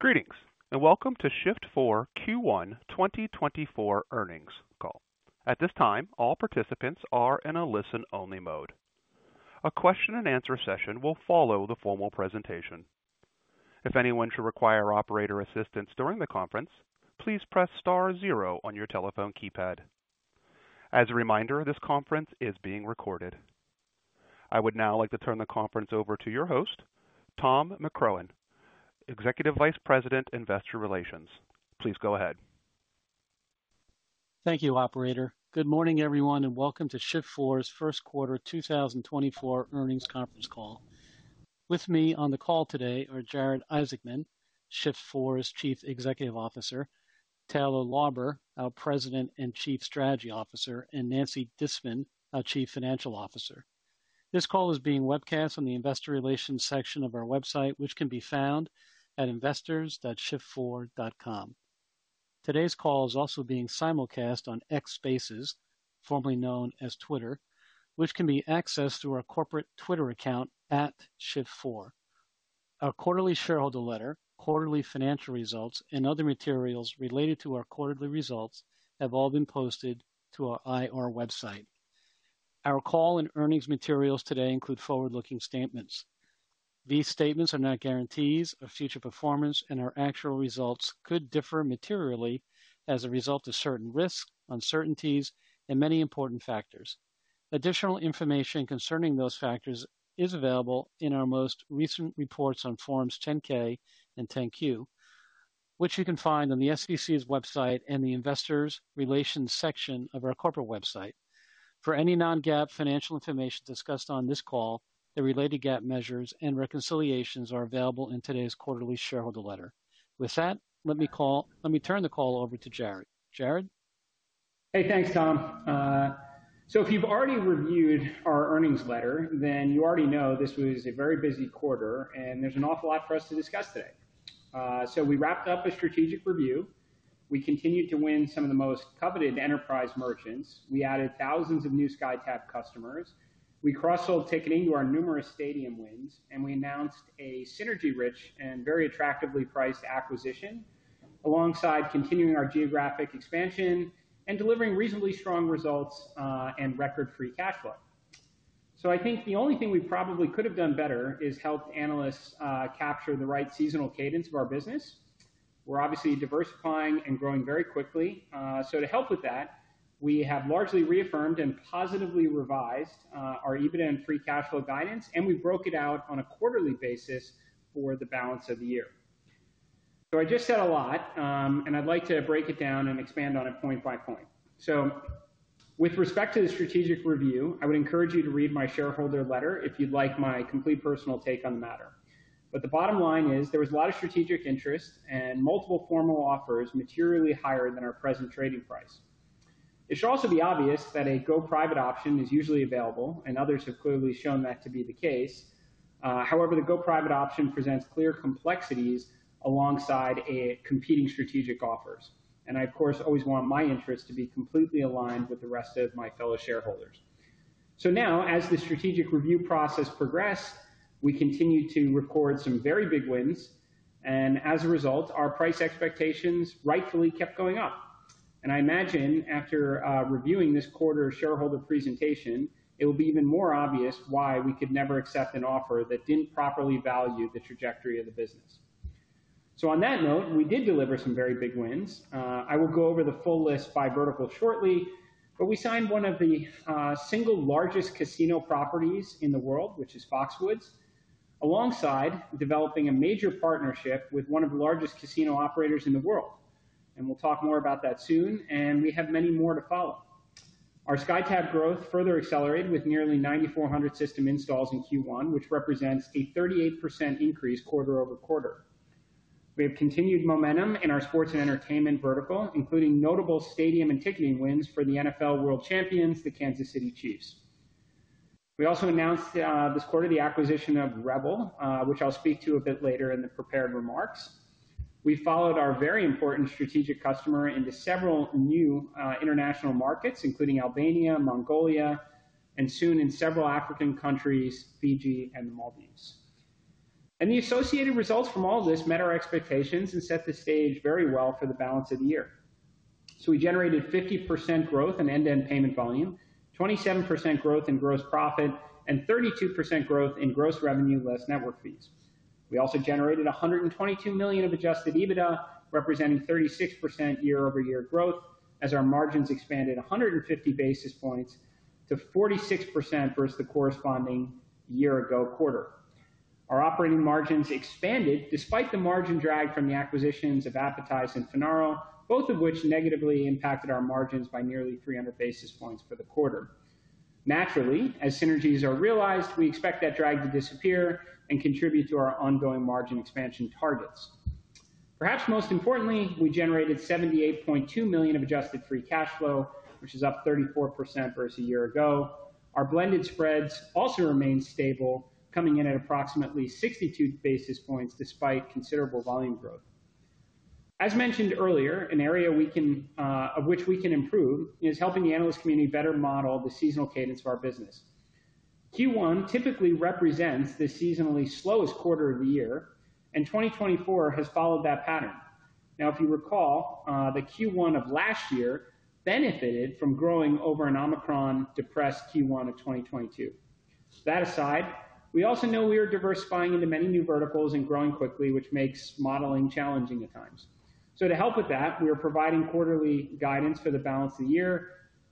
Greetings and welcome to Shift4 Q1 2024 earnings call. At this time, all participants are in a listen-only mode. A question-and-answer session will follow the formal presentation. If anyone should require operator assistance during the conference, please press star zero on your telephone keypad. As a reminder, this conference is being recorded. I would now like to turn the conference over to your host, Tom McCrohan, Executive Vice President Investor Relations. Please go ahead. Thank you, operator. Good morning, everyone, and welcome to Shift4's Q1 2024 earnings conference call. With me on the call today are Jared Isaacman, Shift4's Chief Executive Officer, Taylor Lauber, our President and Chief Strategy Officer, and Nancy Disman, our Chief Financial Officer. This call is being webcast on the Investor Relations section of our website, which can be found at investors.shift4.com. Today's call is also being simulcast on X Spaces, formerly known as Twitter, which can be accessed through our corporate Twitter account @shift4. Our quarterly shareholder letter, quarterly financial results, and other materials related to our quarterly results have all been posted to our IR website. Our call and earnings materials today include forward-looking statements. These statements are not guarantees of future performance, and our actual results could differ materially as a result of certain risks, uncertainties, and many important factors. Additional information concerning those factors is available in our most recent reports on Forms 10-K and 10-Q, which you can find on the SEC's website and the Investor Relations section of our corporate website. For any non-GAAP financial information discussed on this call, the related GAAP measures and reconciliations are available in today's quarterly shareholder letter. With that, let me turn the call over to Jared. Jared? Hey, thanks, Tom. So if you've already reviewed our earnings letter, then you already know this was a very busy quarter, and there's an awful lot for us to discuss today. So we wrapped up a strategic review. We continued to win some of the most coveted enterprise merchants. We added thousands of new SkyTab customers. We cross-sold ticketing to our numerous stadium wins, and we announced a synergy-rich and very attractively priced acquisition alongside continuing our geographic expansion and delivering reasonably strong results and record free cash flow. So I think the only thing we probably could have done better is helped analysts capture the right seasonal cadence of our business. We're obviously diversifying and growing very quickly, so to help with that, we have largely reaffirmed and positively revised our EBITDA and free cash flow guidance, and we broke it out on a quarterly basis for the balance of the year. So I just said a lot, and I'd like to break it down and expand on it point by p oint. So with respect to the strategic review, I would encourage you to read my shareholder letter if you'd like my complete personal take on the matter. But the bottom line is there was a lot of strategic interest and multiple formal offers materially higher than our present trading price. It should also be obvious that a go-private option is usually available, and others have clearly shown that to be the case. However, the go-private option presents clear complexities alongside competing strategic offers, and I, of course, always want my interests to be completely aligned with the rest of my fellow shareholders. So now, as the strategic review process progressed, we continued to record some very big wins, and as a result, our price expectations rightfully kept going up. And I imagine, after reviewing this quarter shareholder presentation, it will be even more obvious why we could never accept an offer that didn't properly value the trajectory of the business. So on that note, we did deliver some very big wins. I will go over the full list by vertical shortly, but we signed one of the single largest casino properties in the world, which is Foxwoods, alongside developing a major partnership with one of the largest casino operators in the world. We'll talk more about that soon, and we have many more to follow. Our SkyTab growth further accelerated with nearly 9,400 system installs in Q1, which represents a 38% increase quarter-over-quarter. We have continued momentum in our sports and entertainment vertical, including notable stadium and ticketing wins for the NFL World Champions, the Kansas City Chiefs. We also announced this quarter the acquisition of Revel, which I'll speak to a bit later in the prepared remarks. We followed our very important strategic customer into several new international markets, including Albania, Mongolia, and soon in several African countries, Fiji, and the Maldives. The associated results from all of this met our expectations and set the stage very well for the balance of the year. We generated 50% growth in end-to-end payment volume, 27% growth in gross profit, and 32% growth in gross revenue less network fees. We also generated $122 million of Adjusted EBITDA, representing 36% year-over-year growth, as our margins expanded 150 basis points to 46% versus the corresponding year-ago quarter. Our operating margins expanded despite the margin drag from the acquisitions of Appetize and Finaro, both of which negatively impacted our margins by nearly 300 basis points for the quarter. Naturally, as synergies are realized, we expect that drag to disappear and contribute to our ongoing margin expansion targets. Perhaps most importantly, we generated $78.2 million of Adjusted Free Cash Flow, which is up 34% versus a year ago. Our blended spreads also remain stable, coming in at approximately 62 basis points despite considerable volume growth. As mentioned earlier, an area in which we can improve is helping the analyst community better model the seasonal cadence of our business. Q1 typically represents the seasonally slowest quarter of the year, and 2024 has followed that pattern. Now, if you recall, the Q1 of last year benefited from growing over an Omicron-depressed Q1 of 2022. That aside, we also know we are diversifying into many new verticals and growing quickly, which makes modeling challenging at times. So to help with that, we are providing quarterly guidance for the balance of the year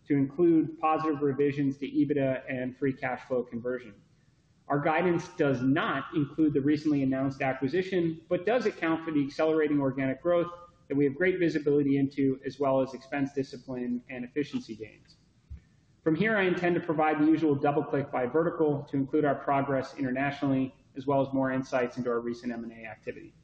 to include positive revisions to EBITDA and free cash flow conversion. Our guidance does not include the recently announced acquisition, but does account for the accelerating organic growth that we have great visibility into, as well as expense discipline and efficiency gains. From here, I intend to provide the usual double-click by vertical to include our progress internationally, as well as more insights into our recent M&A activity.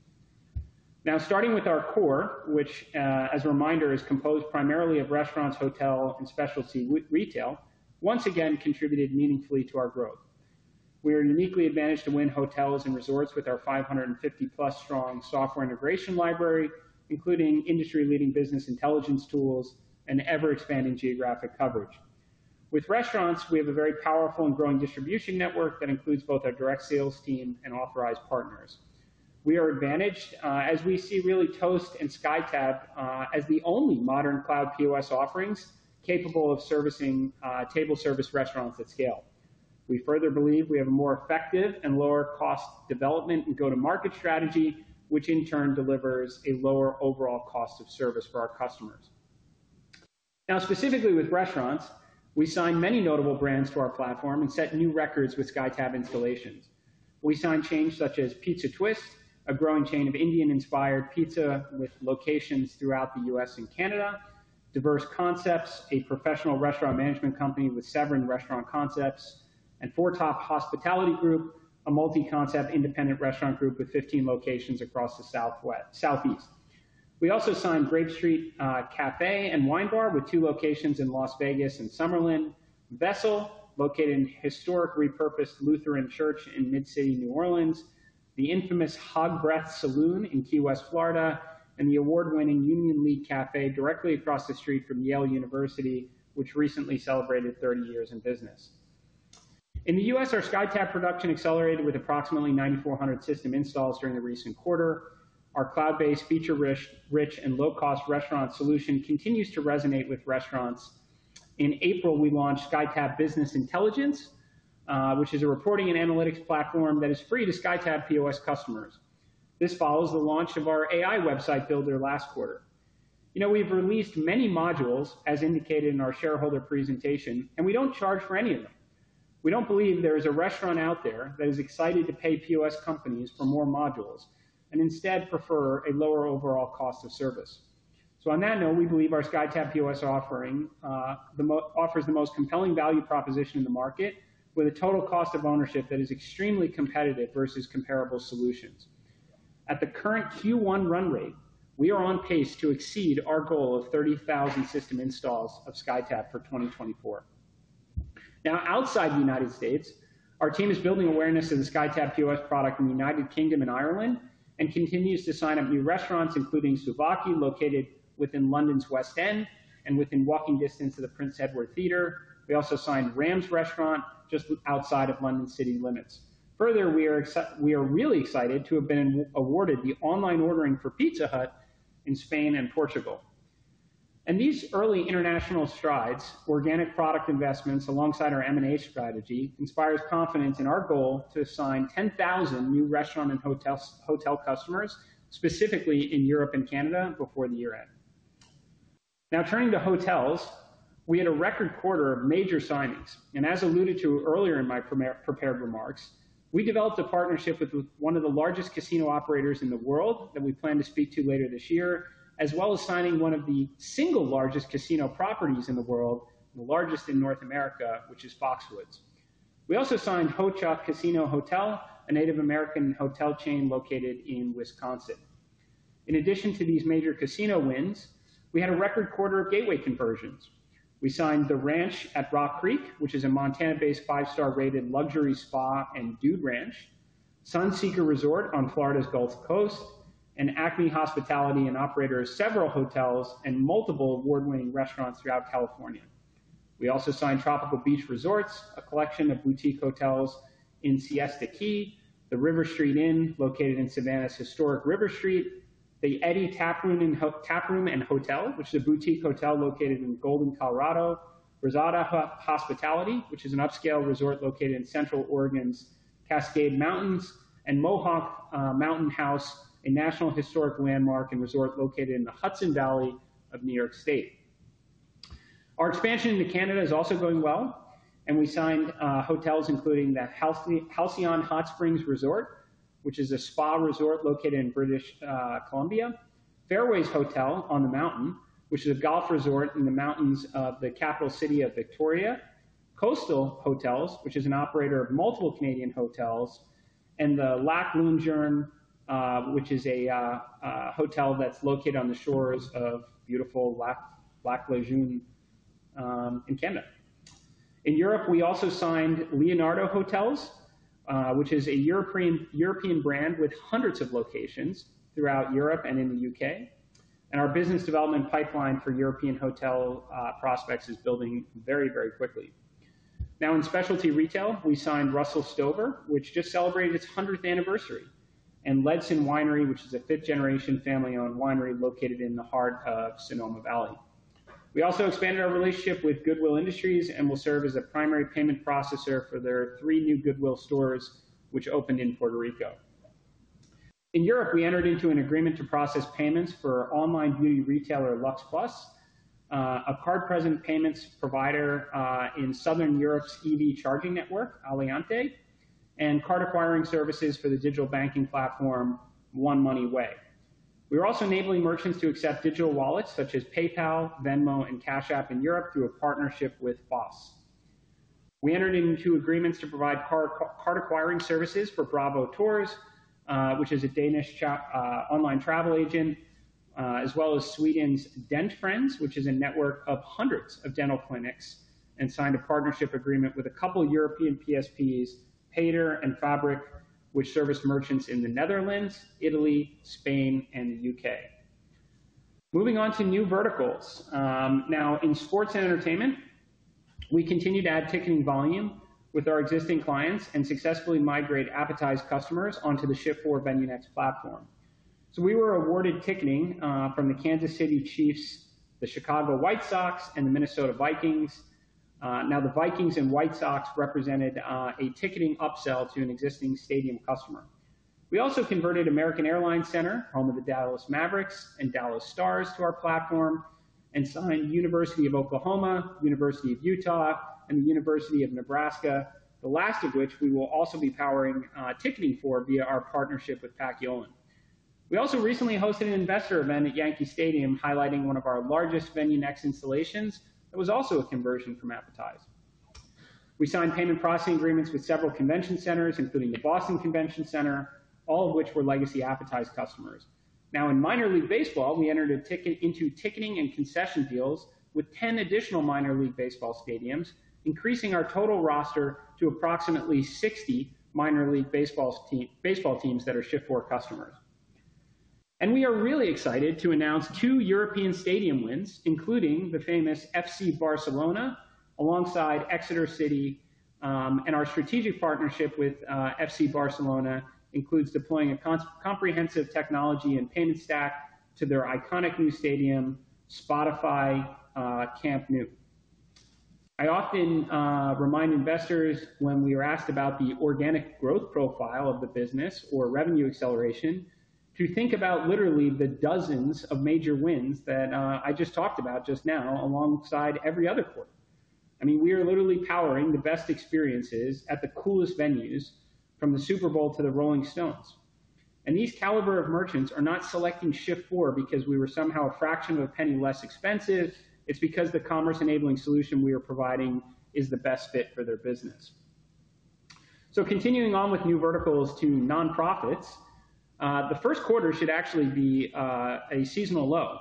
Now, starting with our core, which, as a reminder, is composed primarily of restaurants, hotel, and specialty retail, once again contributed meaningfully to our growth. We are uniquely advantaged to win hotels and resorts with our 550-plus strong software integration library, including industry-leading business inte lligence tools and ever-expanding geographic coverage. With restaurants, we have a very powerful and growing distribution network that includes both our direct sales team and authorized partners. We are advantaged, as we see really Toast and SkyTab as the only modern cloud POS offerings capable of servicing table service restaurants at scale. We further believe we have a more effective and lower-cost development and go-to-market strategy, which in turn delivers a lower overall cost of service for our customers. Now, specifically with restaurants, we signed many notable brands to our platform and set new records with SkyTab installations. We signed chains such as Pizza Twist, a growing chain of Indian-inspired pizza with locations throughout the U.S. and Canada, Diverse Concepts, a professional restaurant management company with seven restaurant concepts, and 4Top Hospitality Group, a multi-concept independent restaurant group with 15 locations across the Southeast. We also signed Grape Street Café and Wine Bar with two locations in Las Vegas and Summerlin, Vessel, located in historic repurposed Lutheran Church in Mid-City New Orleans, the infamous Hog's Breath Saloon in Key West, Florida, and the award-winning Union League Café directly across the street from Yale University, which recently celebrated 30 years in business. In the U.S., our SkyTab production accelerated with approximately 9,400 system installs during the recent quarter. Our cloud-based, feature-rich, and low-cost restaurant solution continues to resonate with restaurants. In April, we launched SkyTab Business Intelligence, which is a reporting and analytics platform that is free to SkyTab POS customers. This follows the launch of our AI website builder last quarter. You know, we have released many modules, as indicated in our shareholder presentation, and we don't charge for any of them. We don't believe there is a restaurant out there that is excited to pay POS companies for more modules and instead prefer a lower overall cost of service. So on that note, we believe our SkyTab POS offering offers the most compelling value proposition in the market, with a total cost of ownership that is extremely competitive versus comparable solutions. At the current Q1 run rate, we are on pace to exceed our goal of 30,000 system installs of SkyTab for 2024. Now, outside the United States, our team is building awareness of the SkyTab POS product in the United Kingdom and Ireland and continues to sign up new restaurants, including Souvlaki, located within London's West End and within walking distance of the Prince Edward Theatre. We also signed Rams Restaurant just outside of London city limits. Further, we are really excited to have been awarded the online ordering for Pizza Hut in Spain and Portugal. And these early international strides, organic product investments alongside our M&A strategy, inspire confidence in our goal to sign 10,000 new restaurant and hotel customers, specifically in Europe and Canada, before the year end. Now, turning to hotels, we had a record quarter of major signings. And as alluded to earlier in my prepared remarks, we developed a partnership with one of the largest casino operators in the world that we plan to speak to later this year, as well as signing one of the single largest casino properties in the world, the largest in North America, which is Foxwoods. We also signed Ho-Chunk Casino Hotel, a Native American hotel chain located in Wisconsin. In addition to these major casino wins, we had a record quarter of gateway conversions. We signed The Ranch at Rock Creek, which is a Montana-based five-star-rated luxury spa and dude ranch, Sunseeker Resort on Florida's Gulf Coast, and Acme Hospitality and operator of several hotels and multiple award-winning restaurants throughout California. We also signed Tropical Beach Resorts, a collection of boutique hotels in Siesta Key, the River Street Inn, located in Savannah's historic River Street, the Eddy Taproom and Hotel, which is a boutique hotel located in Golden, Colorado, Brasada Hospitality, which is an upscale resort located in Central Oregon's Cascade Mountains, and Mohonk Mountain House, a national historic landmark and resort located in the Hudson Valley of New York State. Our expansion into Canada is also going well, and we signed hotels, including the Halcyon Hot Springs Resort, which is a spa resort located in British Columbia, Fairways Hotel on the Mountain, which is a golf resort in the mountains of the capital city of Victoria, Coast Hotels, which is an operator of multiple Canadian hotels, and the Lac Le Jeune Resort, which is a hotel that's located on the shores of beau tiful Lac Le Jeune in Canada. In Europe, we also signed Leonardo Hotels, which is a European brand with hundreds of locations throughout Europe and in the U.K., and our business development pipeline for European hotel prospects is building very, very quickly. Now, in specialty retail, we signed Russell Stover, which just celebrated its 100th anniversary, and Ledson Winery, which is a fifth-generation family-owned winery located in the heart of Sonoma Valley. We also expanded our relationship with Goodwill Industries and will serve as a primary payment processor for their 3 new Goodwill stores, which opened in Puerto Rico. In Europe, we entered into an agreement to process payments for online beauty retailer LuxPlus, a card-present payments provider in Southern Europe's EV charging network, Atlante, and card acquiring services for the digital banking platform OneMoneyWay. We are also enabling merchants to accept digital wallets such as PayPal, Venmo, and Cash App in Europe through a partnership with Phos. We entered into agreements to provide card acquiring services for Bravo Tours, which is a Danish online travel agent, as well as Sweden's DentalFriends, which is a network of hundreds of dental clinics, and signed a partnership agreement with a couple of European PSPs, Payter and Fabrick, which serviced merchants in the Netherlands, Italy, Spain, and the U.K. Moving on to new verticals. Now, in sports and entertainment, we continue to add ticketing volume with our existing clients and successfully migrate Appetize customers onto the Shift4 VenueNext platform. So we were awarded ticketing from the Kansas City Chiefs, the Chicago White Sox, and the Minnesota Vikings. Now, the Vikings and White Sox represented a ticketing upsell to an existing stadium customer. We also converted American Airlines Center, home of the Dallas Mavericks and Dallas Stars, to our platform and signed University of Oklahoma, University of Utah, and the University of Nebraska, the last of which we will also be powering ticketing for via our partnership with Paciolan. We also recently hosted an investor event at Yankee Stadium highlighting one of our largest VenueNext installations that was also a conversion from Appetize. We signed payment processing agreements with several convention centers, including the Boston Convention Center, all of which were legacy Appetize customers. Now, in minor league baseball, we entered into ticketing and concession deals with 10 additional minor league baseball stadiums, increasing our total roster to approximately 60 minor league baseball teams that are Shift4 customers. We are really excited to announce two European stadium wins, including the famous FC Barcelona, alongside Exeter City. Our strategic partnership with FC Barcelona includes deploying a comprehensive technology and payment stack to their iconic new stadium, Spotify Camp Nou. I often remind investors when we are asked about the organic growth profile of the business or revenue acceleration to think about literally the dozens of major wins that I just talked about just now alongside every other quarter. I mean, we are literally powering the best experiences at the coolest venues, from the Super Bowl to the Rolling Stones. And these caliber of merchants are not selecting Shift4 because we were somehow a fraction of a penny less expensive. It's because the commerce-enabling solution we are providing is the best fit for their business. Continuing on with new verticals to nonprofits, the Q1 should actually be a seasonal low.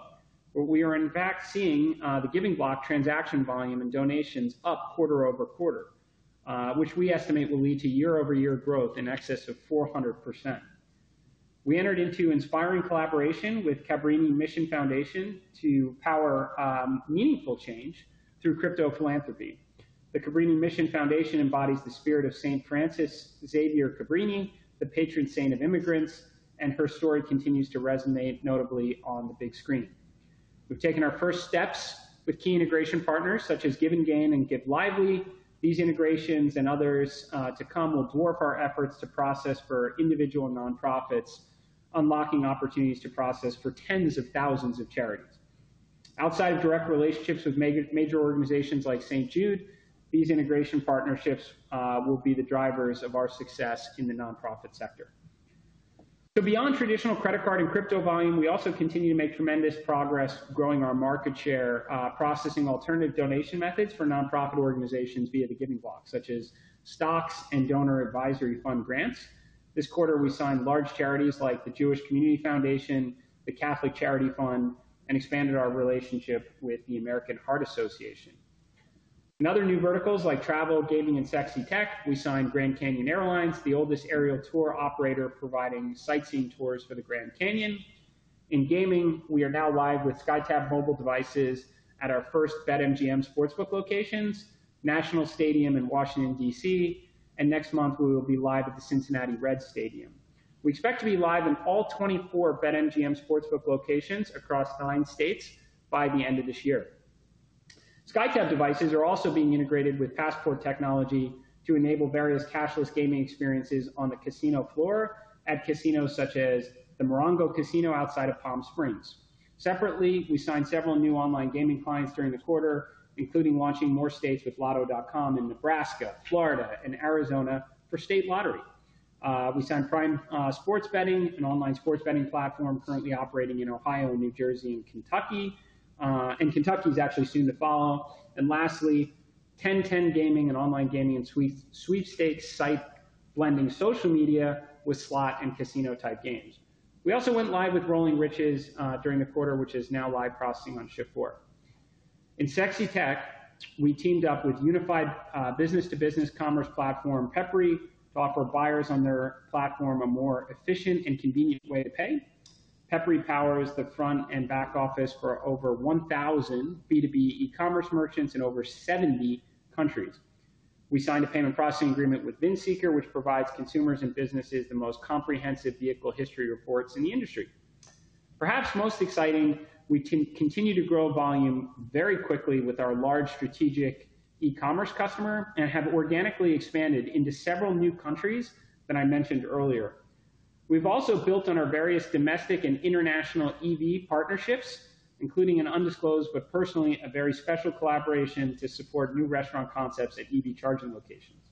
We are, in fact, seeing The Giving Block transaction volume and donations up quarter-over-quarter, which we estimate will lead to year-over-year growth in excess of 400%. We entered into inspiring collaboration with Cabrini Mission Foundation to power meaningful change through crypto philanthropy. The Cabrini Mission Foundation embodies the spirit of St. Frances Xavier Cabrini, the patron saint of immigrants, and her story continues to resonate notably on the big screen. We've taken our first steps with key integration partners such as GivenGain and Give Lively. These integrations and others to come will dwarf our efforts to process for individual nonprofits, unlocking opportunities to process for tens of thousands of charities. Outside of direct relationships with major organizations like St. Jude, these integration partnerships will be the drivers of our success in the nonprofit sector. So beyond traditional credit card and crypto volume, we also continue to make tremendous progress growing our market share processing alternative donation methods for nonprofit organizations via The Giving Block, such as stocks and donor advisory fund grants. This quarter, we signed large charities like the Jewish Community Foundation, the Catholic Charity Fund, and expanded our relationship with the American Heart Association. In other new verticals like travel, gaming, and sexy tech, we signed Grand Canyon Airlines, the oldest aerial tour operator providing sightseeing tours for the Grand Canyon. In gaming, we are now live with SkyTab mobile devices at our first BetMGM Sportsbook locations, National Stadium in Washington, D.C., and next month we will be live at the Cincinnati Reds Stadium. We expect to be live in all 24 BetMGM Sportsbook locations across nine states by the end of this year. SkyTab devices are also being integrated with Passport Technology to enable various cashless gaming experiences on the casino floor at casinos such as the Morongo Casino outside of Palm Springs. Separately, we signed several new online gaming clients during the quarter, including launching more states with Lotto.com in Nebraska, Florida, and Arizona for state lottery. We signed Prime Sports Betting, an online sports betting platform currently operating in Ohio, New Jersey, and Kentucky. Kentucky is actually soon to follow. Lastly, 10Ten Gaming, an online gaming and sweepstakes site blending social media with slot and casino-type games. We also went live with Rolling Riches during the quarter, which is now live processing on Shift4. In SaaS tech, we teamed up with unified business-to-business commerce platform Pepperi to offer buyers on their platform a more efficient and convenient way to pay. Pepperi powers the front and back office for over 1,000 B2B e-commerce merchants in over 70 countries. We signed a payment processing agreement with VINSeeker, which provides consumers and businesses the most comprehensive vehicle history reports in the industry. Perhaps most exciting, we continue to grow volume very quickly with our large strategic e-commerce customer and have organically expanded into several new countries that I mentioned earlier. We've also built on our various domestic and international EV partnerships, including an undisclosed but personally a very special collaboration to support new restaurant concepts at EV charging locations.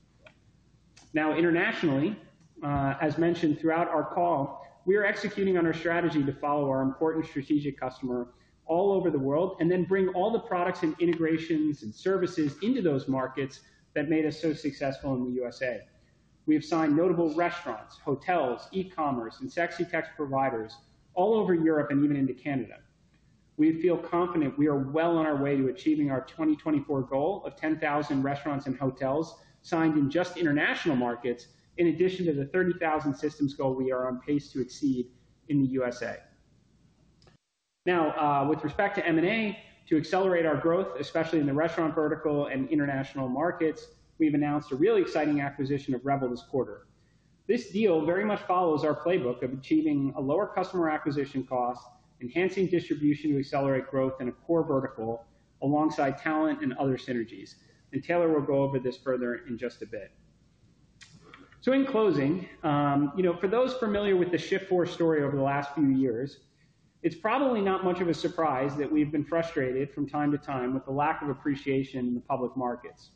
Now, internationally, as mentioned throughout our call, we are executing on our strategy to follow our important strategic customer all over the world and then bring all the products and integrations and services into those markets that made us so successful in the USA. We have signed notable restaurants, hotels, e-commerce, and sexy tech providers all over Europe and even into Canada. We feel confident we are well on our way to achieving our 2024 goal of 10,000 restaurants and hotels signed in just international markets, in addition to the 30,000 systems goal we are on pace to exceed in the USA. Now, with respect to M&A, to accelerate our growth, especially in the restaurant vertical and international markets, we've announced a really exciting acquisition of Revel this quarter. This deal very much follows our playbook of achieving a lower customer acquisition cost, enhancing distribution to accelerate growth in a core vertical alongside talent and other synergies. Taylor will go over this further in just a bit. So in closing, for those familiar with the Shift4 story over the last few years, it's probably not much of a surprise that we've been frustrated from time to time with the lack of appreciation in the public markets.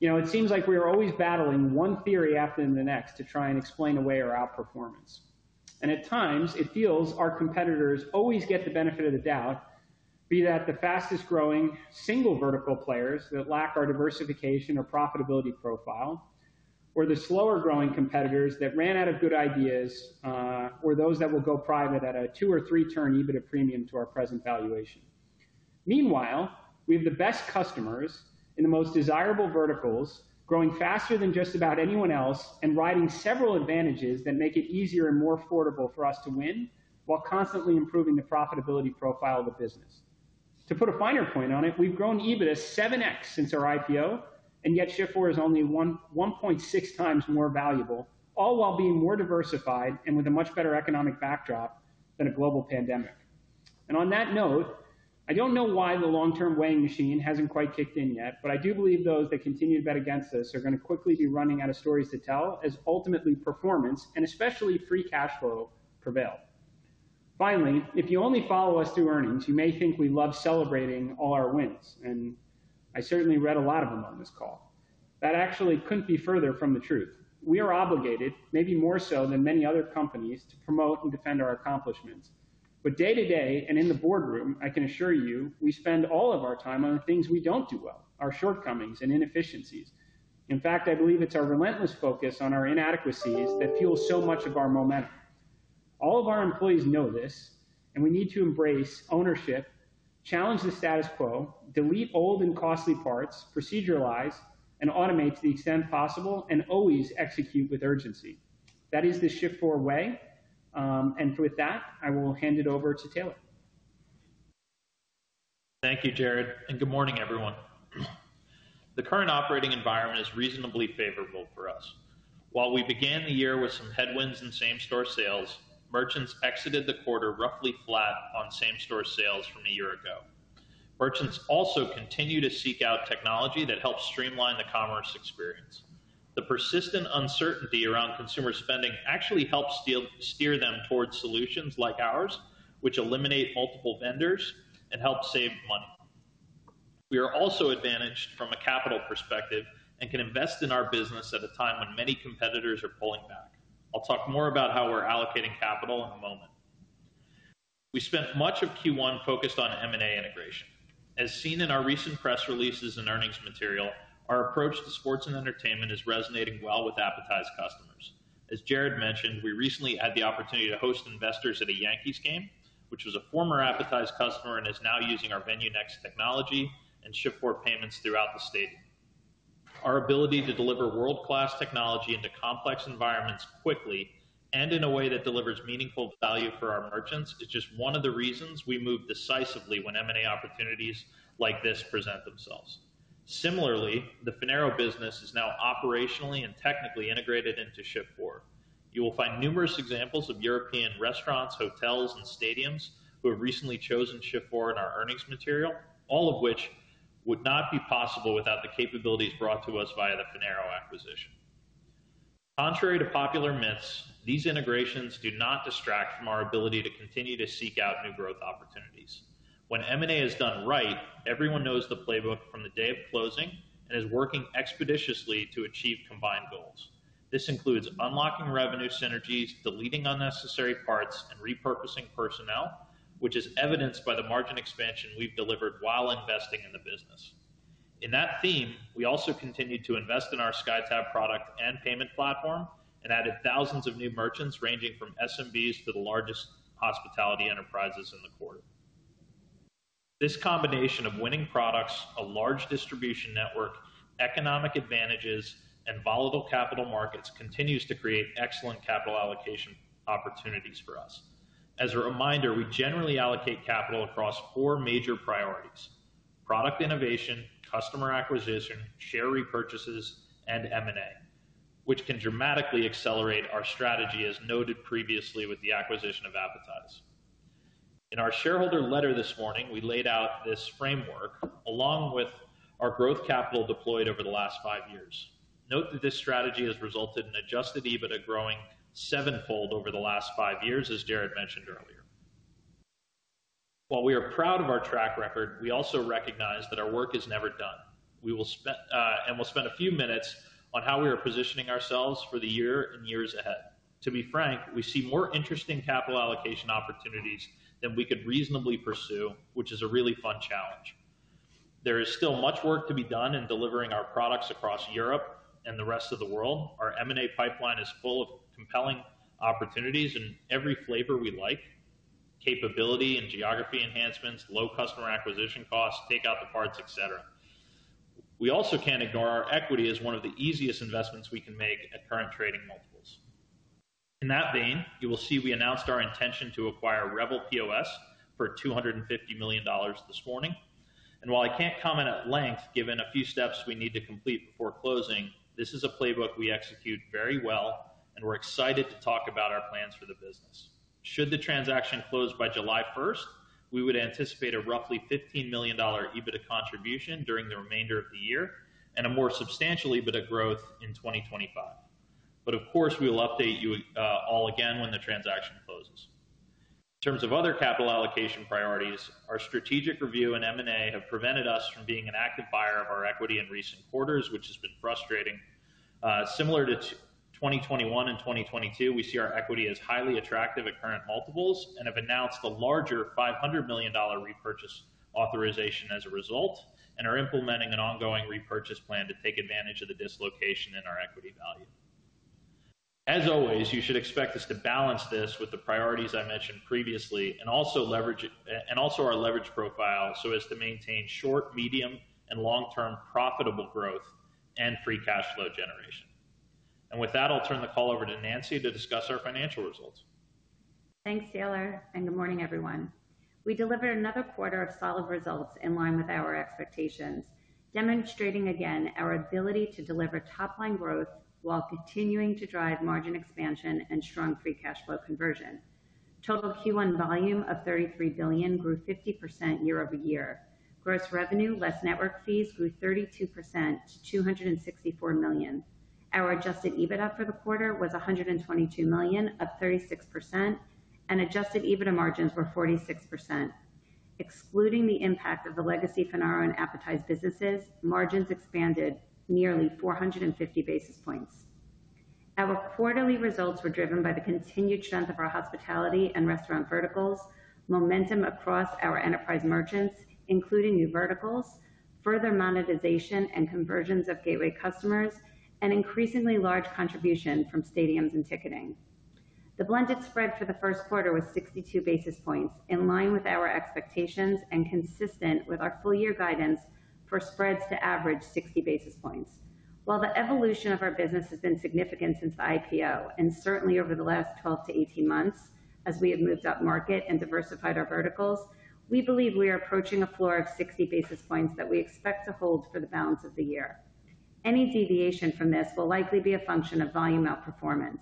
It seems like we are always battling one theory after the next to try and explain away our outperformance. And at times, it feels our competitors always get the benefit of the doubt, be that the fastest-growing single vertical players that lack our diversification or profitability profile, or the slower-growing competitors that ran out of good ideas, or those that will go private at a 2 or 3-turn EBITDA premium to our present valuation. Meanwhile, we have the best customers in the most desirable verticals, growing faster than just about anyone else and riding several advantages that make it easier and more affordable for us to win while constantly improving the profitability profile of the business. To put a finer point on it, we've grown EBITDA 7x since our IPO, and yet Shift4 is only 1.6 times more valuable, all while being more diversified and with a much better economic backdrop than a global pandemic. And on that note, I don't know why the long-term weighing machine hasn't quite kicked in yet, but I do believe those that continue to bet against us are going to quickly be running out of stories to tell as ultimately performance and especially free cash flow prevail. Finally, if you only follow us through earnings, you may think we love celebrating all our wins. I certainly read a lot of them on this call. That actually couldn't be further from the truth. We are obligated, maybe more so than many other companies, to promote and defend our accomplishments. But day to day and in the boardroom, I can assure you we spend all of our time on the things we don't do well, our shortcomings and inefficiencies. In fact, I believe it's our relentless focus on our inadequacies that fuels so much of our momentum. All of our employees know this, and we need to embrace ownership, challenge the status quo, delete old and costly parts, proceduralize, and automate to the extent possible, and always execute with urgency. That is the Shift4 way. With that, I will hand it over to Taylor. Thank you, Jared. Good morning, everyone. The current operating environment is reasonably favorable for us. While we began the year with some headwinds in same-store sales, merchants exited the quarter roughly flat on same-store sales from a year ago. Merchants also continue to seek out technology that helps streamline the commerce experience. The persistent uncertainty around consumer spending actually helps steer them towards solutions like ours, which eliminate multiple vendors and help save money. We are also advantaged from a capital perspective and can invest in our business at a time when many competitors are pulling back. I'll talk more about how we're allocating capital in a moment. We spent much of Q1 focused on M&A integration. As seen in our recent press releases and earnings material, our approach to sports and entertainment is resonating well with Appetize customers. As Jared mentioned, we recently had the opportunity to host investors at a Yankees game, which was a former Appetize customer and is now using our VenueNext technology and Shift4 payments throughout the stadium. Our ability to deliver world-class technology into complex environments quickly and in a way that delivers meaningful value for our merchants is just one of the reasons we move decisively when M&A opportunities like this present themselves. Similarly, the Finaro business is now operationally and technically integrated into Shift4. You will find numerous examples of European restaurants, hotels, and stadiums who have recently chosen Shift4 in our earnings material, all of which would not be possible without the capabilities brought to us via the Finaro acquisition. Contrary to popular myths, these integrations do not distract from our ability to continue to seek out new growth opportunities. When M&A is done right, everyone knows the playbook from the day of closing and is working expeditiously to achieve combined goals. This includes unlocking revenue synergies, deleting unnecessary parts, and repurposing personnel, which is evidenced by the margin expansion we've delivered while investing in the business. In that theme, we also continue to invest in our SkyTab product and payment platform and added thousands of new merchants ranging from SMBs to the largest hospitality enterprises in the quarter. This combination of winning products, a large distribution network, economic advantages, and volatile capital markets continues to create excellent capital allocation opportunities for us. As a reminder, we generally allocate capital across four major priorities: product innovation, customer acquisition, share repurchases, and M&A, which can dramatically accelerate our strategy, as noted previously with the acquisition of Appetize. In our shareholder letter this morning, we laid out this framework along with our growth capital deployed over the last five years. Note that this strategy has resulted in Adjusted EBITDA growing sevenfold over the last five years, as Jared mentioned earlier. While we are proud of our track record, we also recognize that our work is never done. We will spend a few minutes on how we are positioning ourselves for the year and years ahead. To be frank, we see more interesting capital allocation opportunities than we could reasonably pursue, which is a really fun challenge. There is still much work to be done in delivering our products across Europe and the rest of the world. Our M&A pipeline is full of compelling opportunities in every flavor we like: capability and geography enhancements, low customer acquisition costs, takeout the parts, et cetera. We also can't ignore our equity as one of the easiest investments we can make at current trading multiples. In that vein, you will see we announced our intention to acquire Revel POS for $250 million this morning. And while I can't comment at length given a few steps we need to complete before closing, this is a playbook we execute very well, and we're excited to talk about our plans for the business. Should the transaction close by July 1st, we would anticipate a roughly $15 million EBITDA contribution during the remainder of the year and a more substantial EBITDA growth in 2025. But of course, we will update you all again when the transaction closes. In terms of other capital allocation priorities, our strategic review and M&A have prevented us from being an active buyer of our equity in recent quarters, which has been frustrating. Similar to 2021 and 2022, we see our equity as highly attractive at current multiples and have announced a larger $500 million repurchase authorization as a result, and are implementing an ongoing repurchase plan to take advantage of the dislocation in our equity value. As always, you should expect us to balance this with the priorities I mentioned previously and also our leverage profile so as to maintain short, medium, and long-term profitable growth and free cash flow generation. With that, I'll turn the call over to Nancy to discuss our financial results. Thanks, Taylor. And good morning, everyone. We delivered another quarter of solid results in line with our expectations, demonstrating again our ability to deliver top-line growth while continuing to drive margin expansion and strong free cash flow conversion. Total Q1 volume of $33 billion grew 50% year-over-year. Gross revenue less network fees grew 32% to $264 million. Our adjusted EBITDA for the quarter was $122 million up 36%, and adjusted EBITDA margins were 46%. Excluding the impact of the legacy Finaro and Appetize businesses, margins expanded nearly 450 basis points. Our quarterly results were driven by the continued strength of our hospitality and restaurant verticals, momentum across our enterprise merchants, including new verticals, further monetization and conversions of gateway customers, and increasingly large contribution from stadiums and ticketing. The blended spread for the Q1 was 62 basis points, in line with our expectations and consistent with our full-year guidance for spreads to average 60 basis points. While the evolution of our business has been significant since the IPO and certainly over the last 12 to 18 months as we have moved up market and diversified our verticals, we believe we are approaching a floor of 60 basis points that we expect to hold for the balance of the year. Any deviation from this will likely be a function of volume outperformance.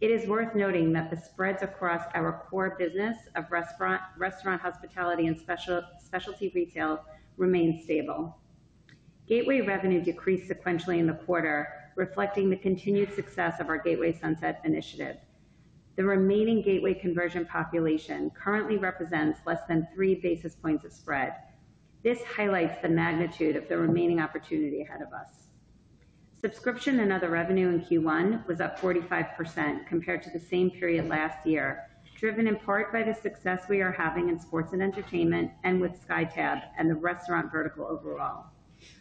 It is worth noting that the spreads across our core business of restaurant hospitality and specialty retail remain stable. Gateway revenue decreased sequentially in the quarter, reflecting the continued success of our Gateway Sunset initiative. The remaining gateway conversion population currently represents less than 3 basis points of spread. This highlights the magnitude of the remaining opportunity ahead of us. Subscription and other revenue in Q1 was up 45% compared to the same period last year, driven in part by the success we are having in sports and entertainment and with SkyTab and the restaurant vertical overall.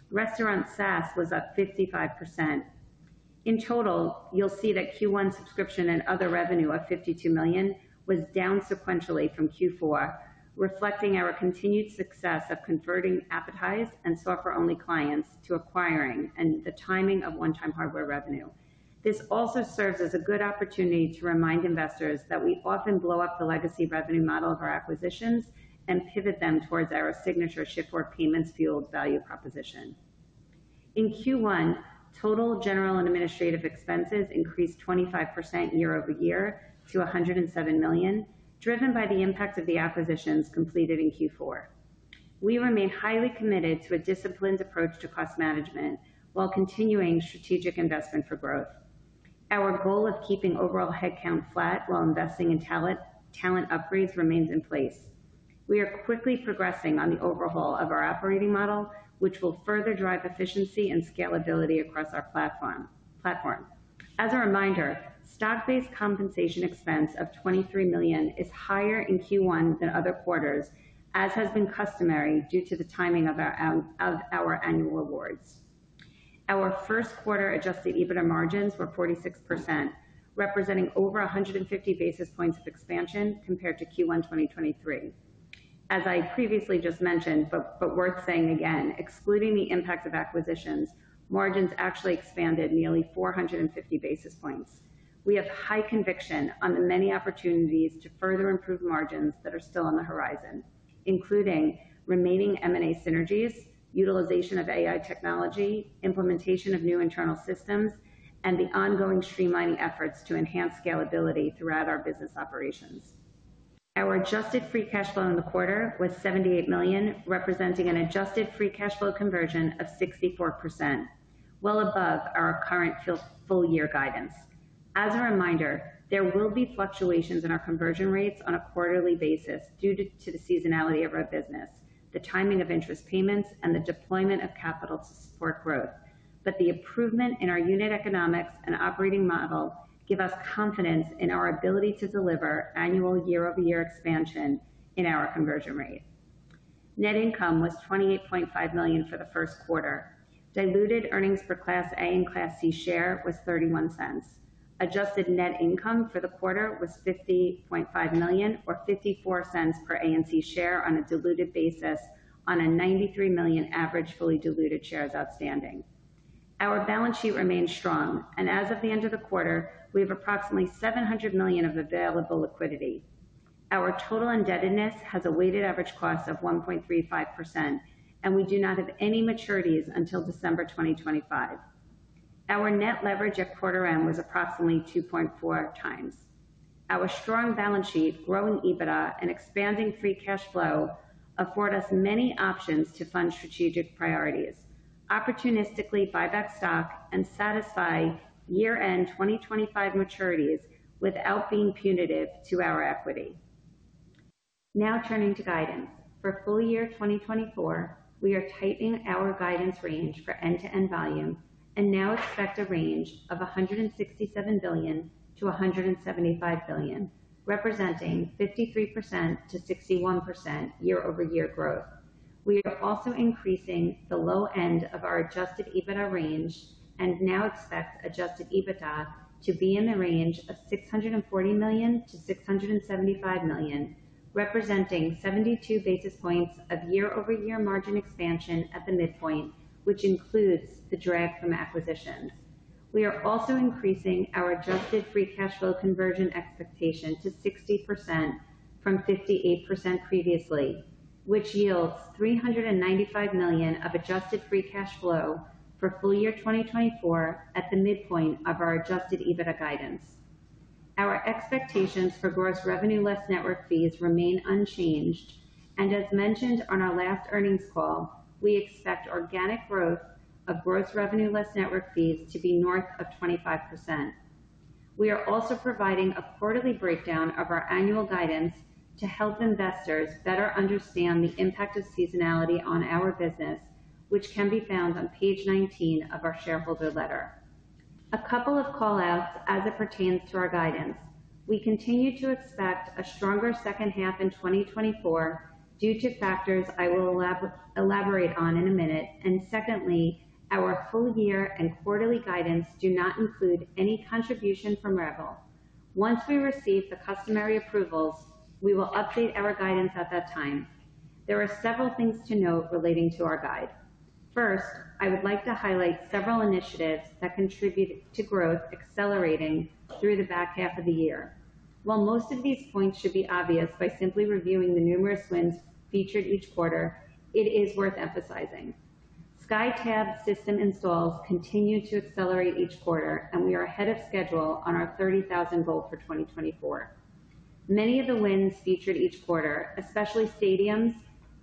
Restaurant SaaS was up 55%. In total, you'll see that Q1 subscription and other revenue of $52 million was down sequentially from Q4, reflecting our continued success of converting Appetize and software-only clients to acquiring and the timing of one-time hardware revenue. This also serves as a good opportunity to remind investors that we often blow up the legacy revenue model of our acquisitions and pivot them towards our signature Shift4 payments-fueled value proposition. In Q1, total general and administrative expenses increased 25% year over year to $107 million, driven by the impact of the acquisitions completed in Q4. We remain highly committed to a disciplined approach to cost management while continuing strategic investment for growth. Our goal of keeping overall headcount flat while investing in talent upgrades remains in place. We are quickly progressing on the overhaul of our operating model, which will further drive efficiency and scalability across our platform. As a reminder, stock-based compensation expense of $23 million is higher in Q1 than other quarters, as has been customary due to the timing of our annual awards. Our Q1 Adjusted EBITDA margins were 46%, representing over 150 basis points of expansion compared to Q1 2023. As I previously just mentioned, but worth saying again, excluding the impact of acquisitions, margins actually expanded nearly 450 basis points. We have high conviction on the many opportunities to further improve margins that are still on the horizon, including remaining M&A synergies, utilization of AI technology, implementation of new internal systems, and the ongoing streamlining efforts to enhance scalability throughout our business operations. Our Adjusted Free Cash Flow in the quarter was $78 million, representing an Adjusted Free Cash Flow conversion of 64%, well above our current full-year guidance. As a reminder, there will be fluctuations in our conversion rates on a quarterly basis due to the seasonality of our business, the timing of interest payments, and the deployment of capital to support growth. But the improvement in our unit economics and operating model gives us confidence in our ability to deliver annual year-over-year expansion in our conversion rate. Net income was $28.5 million for the Q1. Diluted earnings per Class A and Class C share was $0.31. Adjusted net income for the quarter was $50.5 million or $0.54 per A and C share on a diluted basis, on a 93 million average fully diluted shares outstanding. Our balance sheet remains strong, and as of the end of the quarter, we have approximately $700 million of available liquidity. Our total indebtedness has a weighted average cost of 1.35%, and we do not have any maturities until December 2025. Our net leverage at quarter end was approximately 2.4 times. Our strong balance sheet, growing EBITDA, and expanding free cash flow afford us many options to fund strategic priorities: opportunistically buyback stock and satisfy year-end 2025 maturities without being punitive to our equity. Now turning to guidance. For full year 2024, we are tightening our guidance range for end-to-end volume and now expect a range of $167 billion-$175 billion, representing 53%-61% year-over-year growth. We are also increasing the low end of our Adjusted EBITDA range and now expect Adjusted EBITDA to be in the range of $640 million-$675 million, representing 72 basis points of year-over-year margin expansion at the midpoint, which includes the drag from acquisitions. We are also increasing our Adjusted Free Cash Flow conversion expectation to 60% from 58% previously, which yields $395 million of Adjusted Free Cash Flow for full year 2024 at the midpoint of our Adjusted EBITDA guidance. Our expectations for gross revenue less network fees remain unchanged, and as mentioned on our last earnings call, we expect organic growth of gross revenue less network fees to be north of 25%. We are also providing a quarterly breakdown of our annual guidance to help investors better understand the impact of seasonality on our business, which can be found on page 19 of our shareholder letter. A couple of callouts as it pertains to our guidance. We continue to expect a stronger second half in 2024 due to factors I will elaborate on in a minute. And secondly, our full year and quarterly guidance do not include any contribution from Rebel. Once we receive the customary approvals, we will update our guidance at that time. There are several things to note relating to our guide. First, I would like to highlight several initiatives that contribute to growth accelerating through the back half of the year. While most of these points should be obvious by simply reviewing the numerous wins featured each quarter, it is worth emphasizing. SkyTab system installs continue to accelerate each quarter, and we are ahead of schedule on our 30,000 goal for 2024. Many of the wins featured each quarter, especially stadiums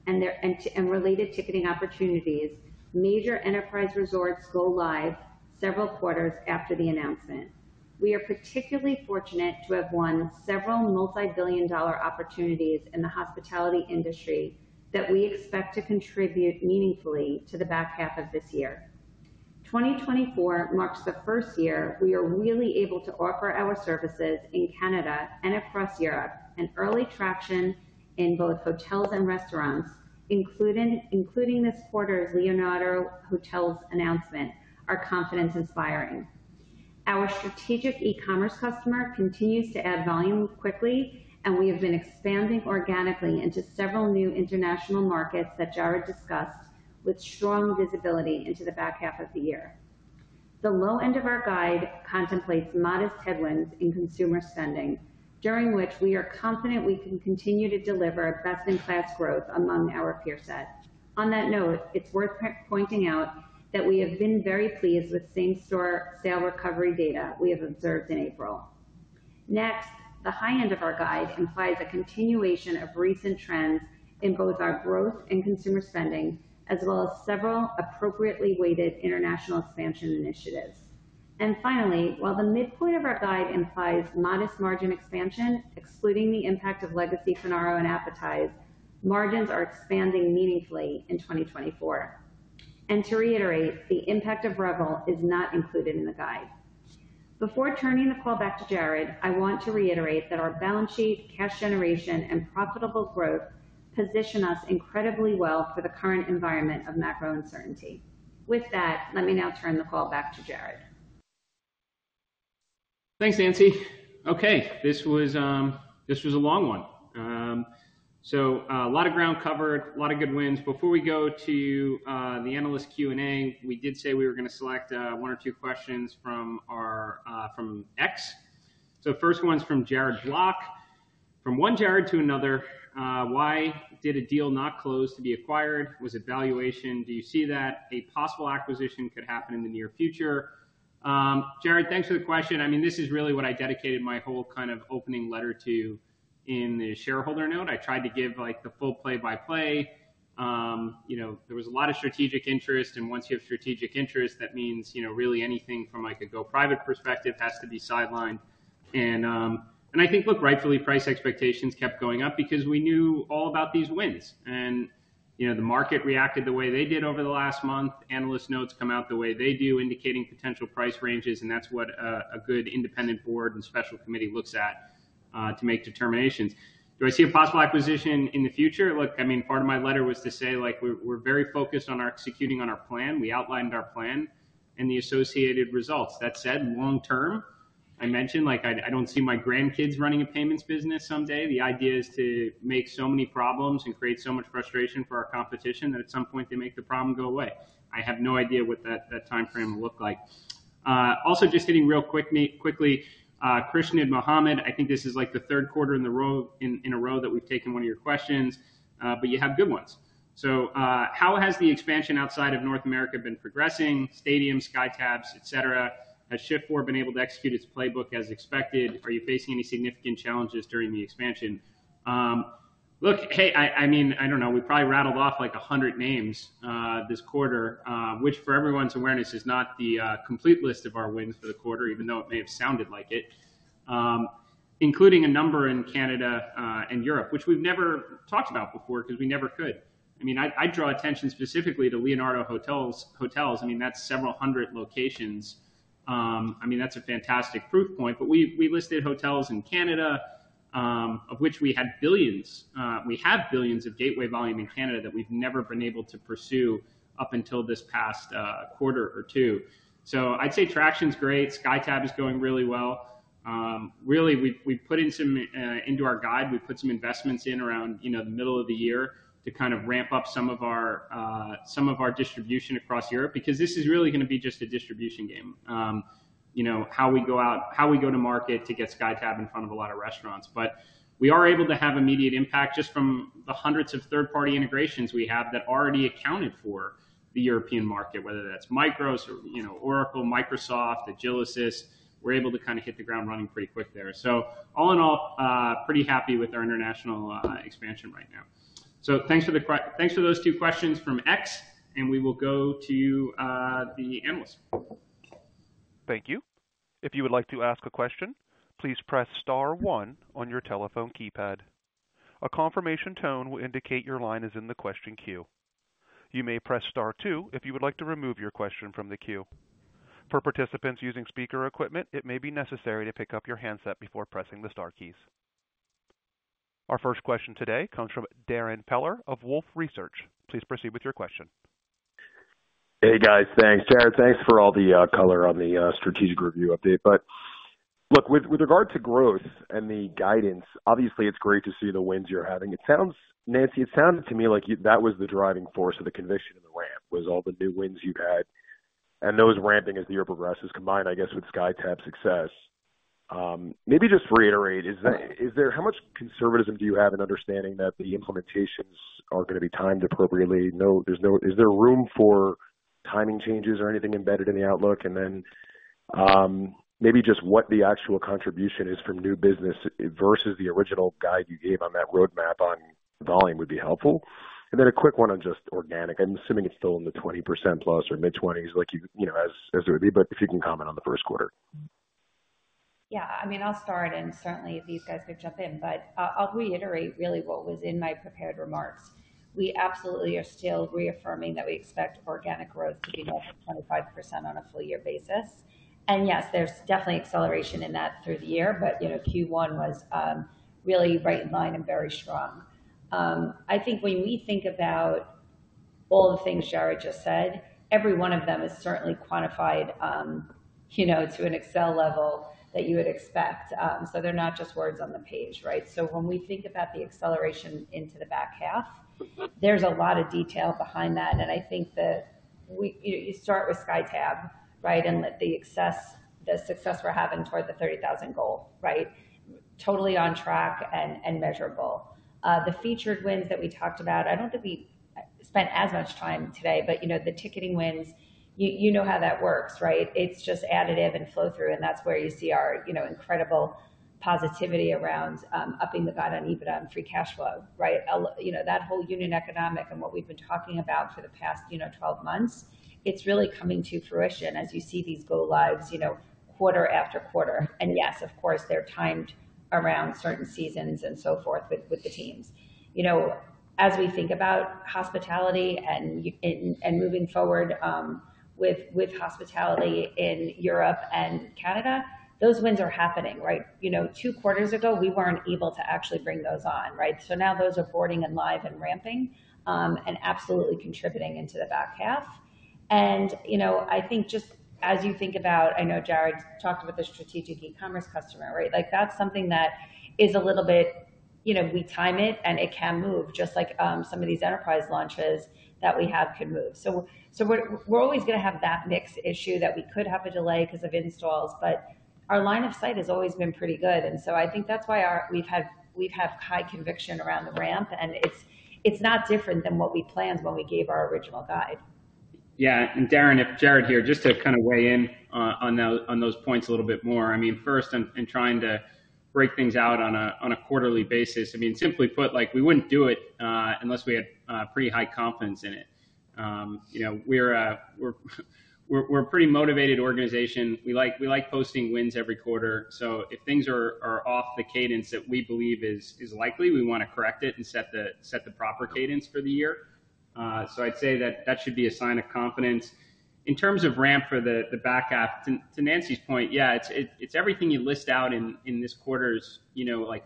and related ticketing opportunities. Major enterprise resorts go live several quarters after the announcement. We are particularly fortunate to have won several multibillion-dollar opportunities in the hospitality industry that we expect to contribute meaningfully to the back half of this year. 2024 marks the first year we are really able to offer our services in Canada and across Europe, and early traction in both hotels and restaurants, including this quarter's Leonardo Hotels announcement, are confidence-inspiring. Our strategic e-commerce customer continues to add volume quickly, and we have been expanding organically into several new international markets that Jared discussed with strong visibility into the back half of the year. The low end of our guide contemplates modest headwinds in consumer spending, during which we are confident we can continue to deliver best-in-class growth among our peer set. On that note, it's worth pointing out that we have been very pleased with same-store sales recovery data we have observed in April. Next, the high end of our guide implies a continuation of recent trends in both our growth and consumer spending, as well as several appropriately weighted international expansion initiatives. And finally, while the midpoint of our guide implies modest margin expansion, excluding the impact of legacy Finaro and Appetize, margins are expanding meaningfully in 2024. And to reiterate, the impact of Rebel is not included in the guide. Before turning the call back to Jared, I want to reiterate that our balance sheet, cash generation, and profitable growth position us incredibly well for the current environment of macro uncertainty. With that, let me now turn the call back to Jared. Thanks, Nancy. Okay. This was a long one. So a lot of ground covered, a lot of good wins. Before we go to the analyst Q&A, we did say we were going to select one or two questions from X. So the first one's from Jared Block. From one Jared to another, why did a deal not close to be acquired? Was it valuation? Do you see that a possible acquisition could happen in the near future? Jared, thanks for the question. I mean, this is really what I dedicated my whole kind of opening letter to in the shareholder note. I tried to give the full play-by-play. There was a lot of strategic interest, and once you have strategic interest, that means really anything from a go-private perspective has to be sidelined. And I think, look, rightfully, price expectations kept going up because we knew all about these wins. The market reacted the way they did over the last month. Analyst notes come out the way they do, indicating potential price ranges, and that's what a good independent board and special committee looks at to make determinations. Do I see a possible acquisition in the future? Look, I mean, part of my letter was to say we're very focused on executing on our plan. We outlined our plan and the associated results. That said, long-term, I mentioned I don't see my grandkids running a payments business someday. The idea is to make so many problems and create so much frustration for our competition that at some point they make the problem go away. I have no idea what that time frame will look like. Also, just hitting real quickly, Krishnad Mohamed, I think this is the Q3 in a row that we've taken one of your questions, but you have good ones. So how has the expansion outside of North America been progressing? Stadiums, SkyTabs, etc. Has Shift4 been able to execute its playbook as expected? Are you facing any significant challenges during the expansion? Look, hey, I mean, I don't know. We probably rattled off 100 names this quarter, which for everyone's awareness is not the complete list of our wins for the quarter, even though it may have sounded like it, including a number in Canada and Europe, which we've never talked about before because we never could. I mean, I draw attention specifically to Leonardo Hotels. I mean, that's several hundred locations. I mean, that's a fantastic proof point. But we listed hotels in Canada, of which we had $ billions. We have $ billions of gateway volume in Canada that we've never been able to pursue up until this past quarter or two. So I'd say traction's great. SkyTab is going really well. Really, we've put in some into our guide, we've put some investments in around the middle of the year to kind of ramp up some of our distribution across Europe because this is really going to be just a distribution game, how we go out, how we go to market to get SkyTab in front of a lot of restaurants. But we are able to have immediate impact just from the hundreds of third-party integrations we have that already accounted for the European market, whether that's Micros, Oracle, Microsoft, Agilysys. We're able to kind of hit the ground running pretty quick there. So all in all, pretty happy with our international expansion right now. So thanks for those two questions from X, and we will go to the analyst. Thank you. If you would like to ask a question, please press star 1 on your telephone keypad. A confirmation tone will indicate your line is in the question queue. You may press star 2 if you would like to remove your question from the queue. For participants using speaker equipment, it may be necessary to pick up your handset before pressing the star keys. Our first question today comes from Darrin Peller of Wolfe Research. Please proceed with your question. Hey, guys. Thanks. Jared, thanks for all the color on the strategic review update. But look, with regard to growth and the guidance, obviously, it's great to see the wins you're having. Nancy, it sounded to me like that was the driving force of the conviction in the ramp, was all the new wins you've had and those ramping as the year progresses combined, I guess, with SkyTab success. Maybe just reiterate, how much conservatism do you have in understanding that the implementations are going to be timed appropriately? Is there room for timing changes or anything embedded in the outlook? And then maybe just what the actual contribution is from new business versus the original guide you gave on that roadmap on volume would be helpful. And then a quick one on just organic. I'm assuming it's still in the 20% plus or mid-20s, as it would be, but if you can comment on the Q1. Yeah. I mean, I'll start, and certainly, these guys could jump in. But I'll reiterate, really, what was in my prepared remarks. We absolutely are still reaffirming that we expect organic growth to be north of 25% on a full-year basis. And yes, there's definitely acceleration in that through the year, but Q1 was really right in line and very strong. I think when we think about all the things Jared just said, every one of them is certainly quantified to an Excel level that you would expect. So they're not just words on the page, right? So when we think about the acceleration into the back half, there's a lot of detail behind that. And I think that you start with SkyTab, right, and the success we're having toward the 30,000 goal, right, totally on track and measurable. The featured wins that we talked about, I don't think we spent as much time today, but the ticketing wins, you know how that works, right? It's just additive and flow-through, and that's where you see our incredible positivity around upping our guidance on EBITDA and free cash flow, right? That whole unit economics and what we've been talking about for the past 12 months, it's really coming to fruition as you see these go-lives quarter after quarter. And yes, of course, they're timed around certain seasons and so forth with the teams. As we think about hospitality and moving forward with hospitality in Europe and Canada, those wins are happening, right? Two quarters ago, we weren't able to actually bring those on, right? So now those are onboarding and live and ramping and absolutely contributing into the back half. I think just as you think about, I know Jared talked about the strategic e-commerce customer, right? That's something that is a little bit, we time it, and it can move, just like some of these enterprise launches that we have could move. So we're always going to have that mix issue that we could have a delay because of installs, but our line of sight has always been pretty good. And so I think that's why we've had high conviction around the ramp, and it's not different than what we planned when we gave our original guide. Yeah. And Darren, if Jared here, just to kind of weigh in on those points a little bit more. I mean, first, in trying to break things out on a quarterly basis, I mean, simply put, we wouldn't do it unless we had pretty high confidence in it. We're a pretty motivated organization. We like posting wins every quarter. So if things are off the cadence that we believe is likely, we want to correct it and set the proper cadence for the year. So I'd say that should be a sign of confidence. In terms of ramp for the back half, to Nancy's point, yeah, it's everything you list out in this quarter's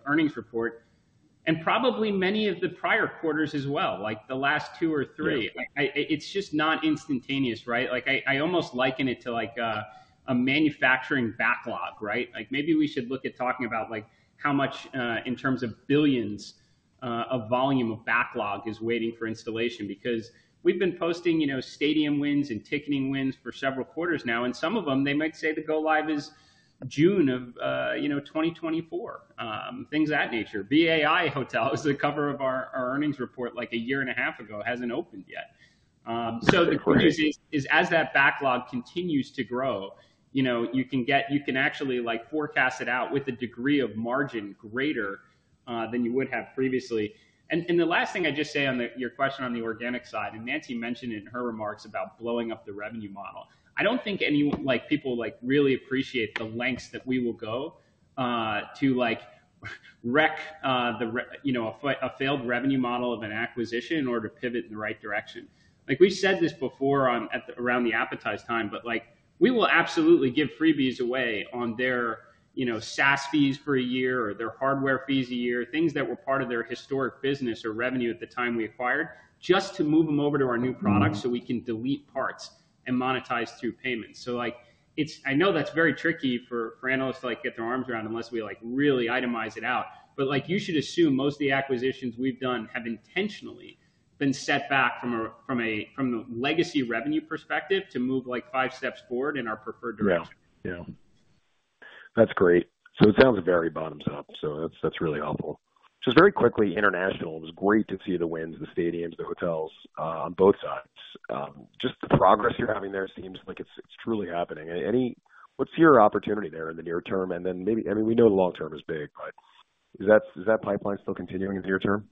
earnings report and probably many of the prior quarters as well, the last two or three. It's just not instantaneous, right? I almost liken it to a manufacturing backlog, right? Maybe we should look at talking about how much, in terms of billions of volume of backlog, is waiting for installation because we've been posting stadium wins and ticketing wins for several quarters now, and some of them, they might say the go live is June of 2024, things of that nature. VAI Hotels, the cover of our earnings report a year and a half ago, hasn't opened yet. So the question is, as that backlog continues to grow, you can actually forecast it out with a degree of margin greater than you would have previously. The last thing I'd just say on your question on the organic side, and Nancy mentioned it in her remarks about blowing up the revenue model, I don't think people really appreciate the lengths that we will go to wreck a failed revenue model of an acquisition in order to pivot in the right direction. We've said this before around the Appetize time, but we will absolutely give freebies away on their SaaS fees for a year or their hardware fees a year, things that were part of their historic business or revenue at the time we acquired, just to move them over to our new product so we can delete parts and monetize through payments. So I know that's very tricky for analysts to get their arms around unless we really itemize it out. But you should assume most of the acquisitions we've done have intentionally been set back from the legacy revenue perspective to move five steps forward in our preferred direction. Yeah. That's great. So it sounds very bottoms up, so that's really helpful. Just very quickly, international, it was great to see the wins, the stadiums, the hotels on both sides. Just the progress you're having there seems like it's truly happening. What's your opportunity there in the near term? And then maybe I mean, we know the long term is big, but is that pipeline still continuing in the near term?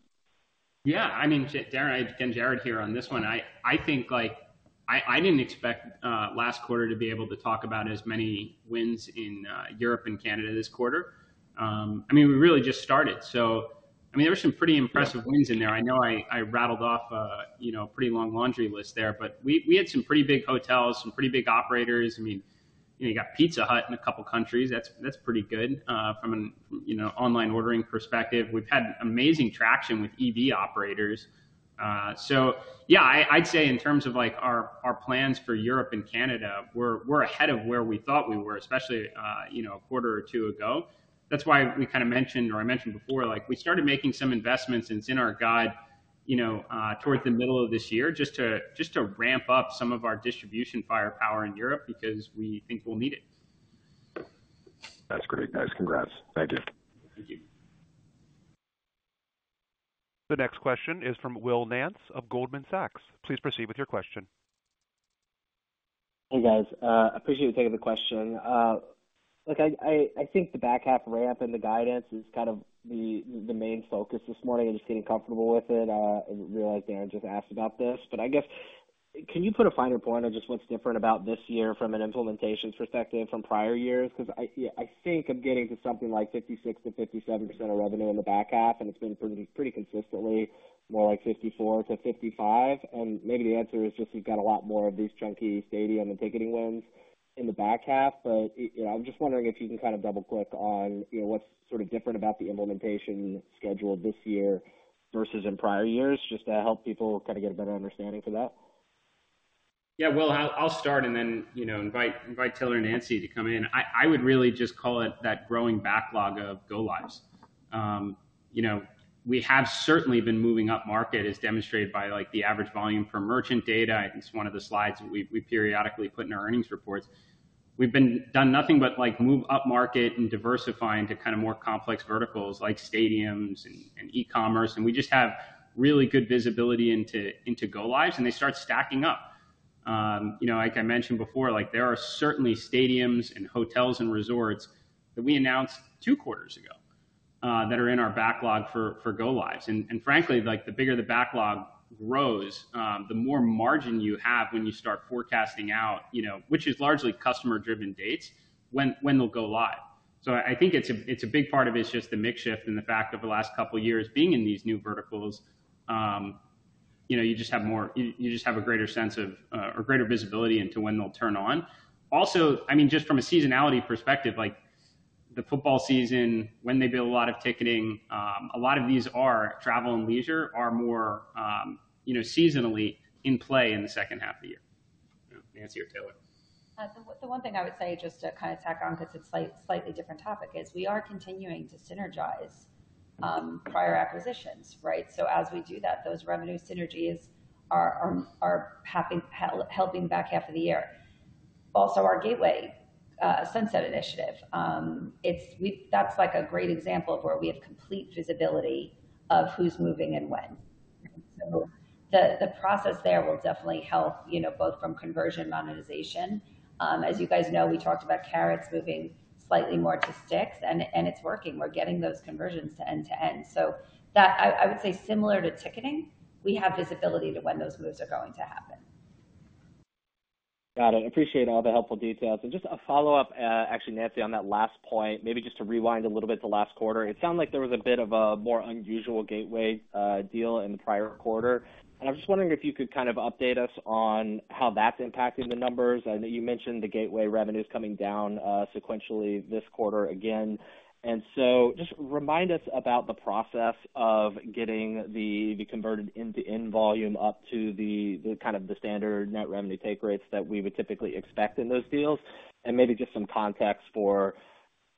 Yeah. I mean, Darren, again, Jared here on this one. I think I didn't expect last quarter to be able to talk about as many wins in Europe and Canada this quarter. I mean, we really just started. So I mean, there were some pretty impressive wins in there. I know I rattled off a pretty long laundry list there, but we had some pretty big hotels, some pretty big operators. I mean, you got Pizza Hut in a couple of countries. That's pretty good from an online ordering perspective. We've had amazing traction with EV operators. So yeah, I'd say in terms of our plans for Europe and Canada, we're ahead of where we thought we were, especially a quarter or two ago. That's why we kind of mentioned or I mentioned before. We started making some investments and it's in our guide towards the middle of this year just to ramp up some of our distribution firepower in Europe because we think we'll need it. That's great. Nice. Congrats. Thank you. Thank you. The next question is from Will Nance of Goldman Sachs. Please proceed with your question. Hey, guys. Appreciate you taking the question. Look, I think the back half ramp and the guidance is kind of the main focus this morning. I'm just getting comfortable with it and realized Darren just asked about this. But I guess, can you put a finer point on just what's different about this year from an implementations perspective from prior years? Because I think I'm getting to something like 56%-57% of revenue in the back half, and it's been pretty consistently, more like 54%-55%. And maybe the answer is just you've got a lot more of these chunky stadium and ticketing wins in the back half. But I'm just wondering if you can kind of double-click on what's sort of different about the implementation schedule this year versus in prior years, just to help people kind of get a better understanding for that. Yeah. Will, I'll start and then invite Taylor and Nancy to come in. I would really just call it that growing backlog of go lives. We have certainly been moving up market, as demonstrated by the average volume per merchant data. It's one of the slides that we periodically put in our earnings reports. We've done nothing but move up market and diversify into kind of more complex verticals like stadiums and e-commerce. And we just have really good visibility into go lives, and they start stacking up. Like I mentioned before, there are certainly stadiums and hotels and resorts that we announced two quarters ago that are in our backlog for go lives. And frankly, the bigger the backlog grows, the more margin you have when you start forecasting out, which is largely customer-driven dates, when they'll go live. So I think a big part of it is just the mix shift and the fact of the last couple of years being in these new verticals. You just have a greater sense of or greater visibility into when they'll turn on. Also, I mean, just from a seasonality perspective, the football season, when they build a lot of ticketing, a lot of these travel and leisure are more seasonally in play in the second half of the year. Nancy or Taylor? The one thing I would say, just to kind of tack on because it's a slightly different topic, is we are continuing to synergize prior acquisitions, right? So as we do that, those revenue synergies are helping back half of the year. Also, our Gateway Sunset initiative, that's a great example of where we have complete visibility of who's moving and when. So the process there will definitely help both from conversion monetization. As you guys know, we talked about carrots moving slightly more to sticks, and it's working. We're getting those conversions to end-to-end. So I would say similar to ticketing, we have visibility to when those moves are going to happen. Got it. Appreciate all the helpful details. Just a follow-up, actually, Nancy, on that last point, maybe just to rewind a little bit to last quarter. It sounded like there was a bit of a more unusual gateway deal in the prior quarter. I was just wondering if you could kind of update us on how that's impacting the numbers. I know you mentioned the gateway revenue is coming down sequentially this quarter again. Just remind us about the process of getting the converted end-to-end volume up to kind of the standard net revenue take rates that we would typically expect in those deals. Maybe just some context for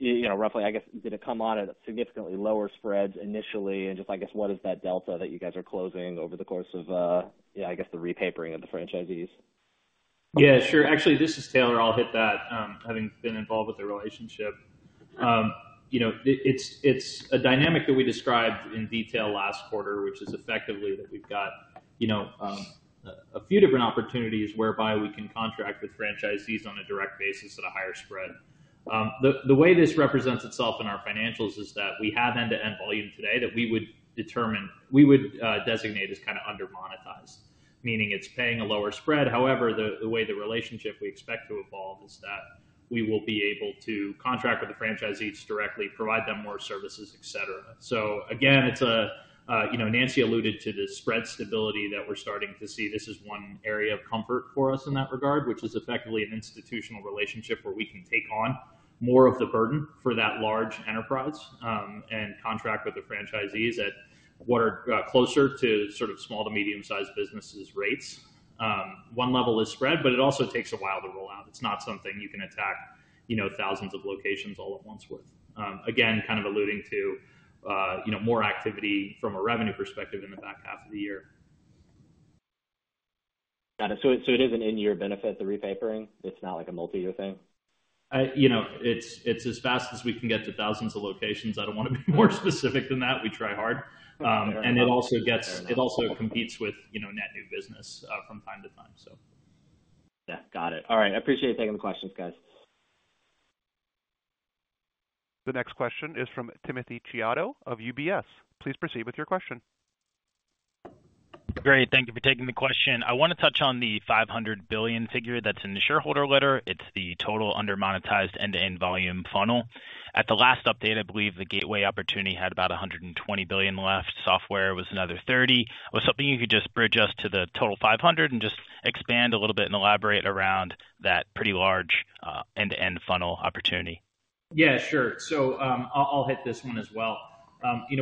roughly, I guess, did it come on at significantly lower spreads initially? Just, I guess, what is that delta that you guys are closing over the course of, yeah, I guess, the repapering of the franchisees? Yeah. Sure. Actually, this is Taylor. I'll hit that, having been involved with the relationship. It's a dynamic that we described in detail last quarter, which is effectively that we've got a few different opportunities whereby we can contract with franchisees on a direct basis at a higher spread. The way this represents itself in our financials is that we have end-to-end volume today that we would designate as kind of under-monetized, meaning it's paying a lower spread. However, the way the relationship we expect to evolve is that we will be able to contract with the franchisees directly, provide them more services, etc. So again, Nancy alluded to the spread stability that we're starting to see. This is one area of comfort for us in that regard, which is effectively an institutional relationship where we can take on more of the burden for that large enterprise and contract with the franchisees at what are closer to sort of small to medium-sized businesses' rates. One level is spread, but it also takes a while to roll out. It's not something you can attack thousands of locations all at once with. Again, kind of alluding to more activity from a revenue perspective in the back half of the year. Got it. So it is an in-year benefit, the repapering? It's not like a multi-year thing? It's as fast as we can get to thousands of locations. I don't want to be more specific than that. We try hard. It also competes with net new business from time to time, so. Yeah. Got it. All right. Appreciate you taking the questions, guys. The next question is from Timothy Chiodo of UBS. Please proceed with your question. Great. Thank you for taking the question. I want to touch on the $500 billion figure that's in the shareholder letter. It's the total under-monetized end-to-end volume funnel. At the last update, I believe the gateway opportunity had about $120 billion left. Software was another $30 billion. Was something you could just bridge us to the total $500 billion and just expand a little bit and elaborate around that pretty large end-to-end funnel opportunity? Yeah. Sure. So I'll hit this one as well.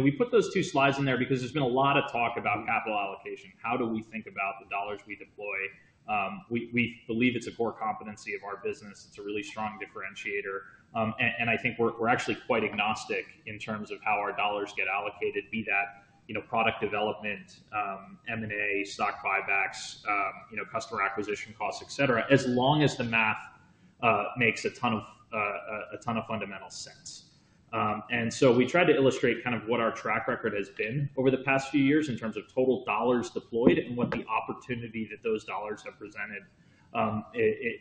We put those two slides in there because there's been a lot of talk about capital allocation. How do we think about the dollars we deploy? We believe it's a core competency of our business. It's a really strong differentiator. And I think we're actually quite agnostic in terms of how our dollars get allocated, be that product development, M&A, stock buybacks, customer acquisition costs, etc., as long as the math makes a ton of fundamental sense. And so we tried to illustrate kind of what our track record has been over the past few years in terms of total dollars deployed and what the opportunity that those dollars have presented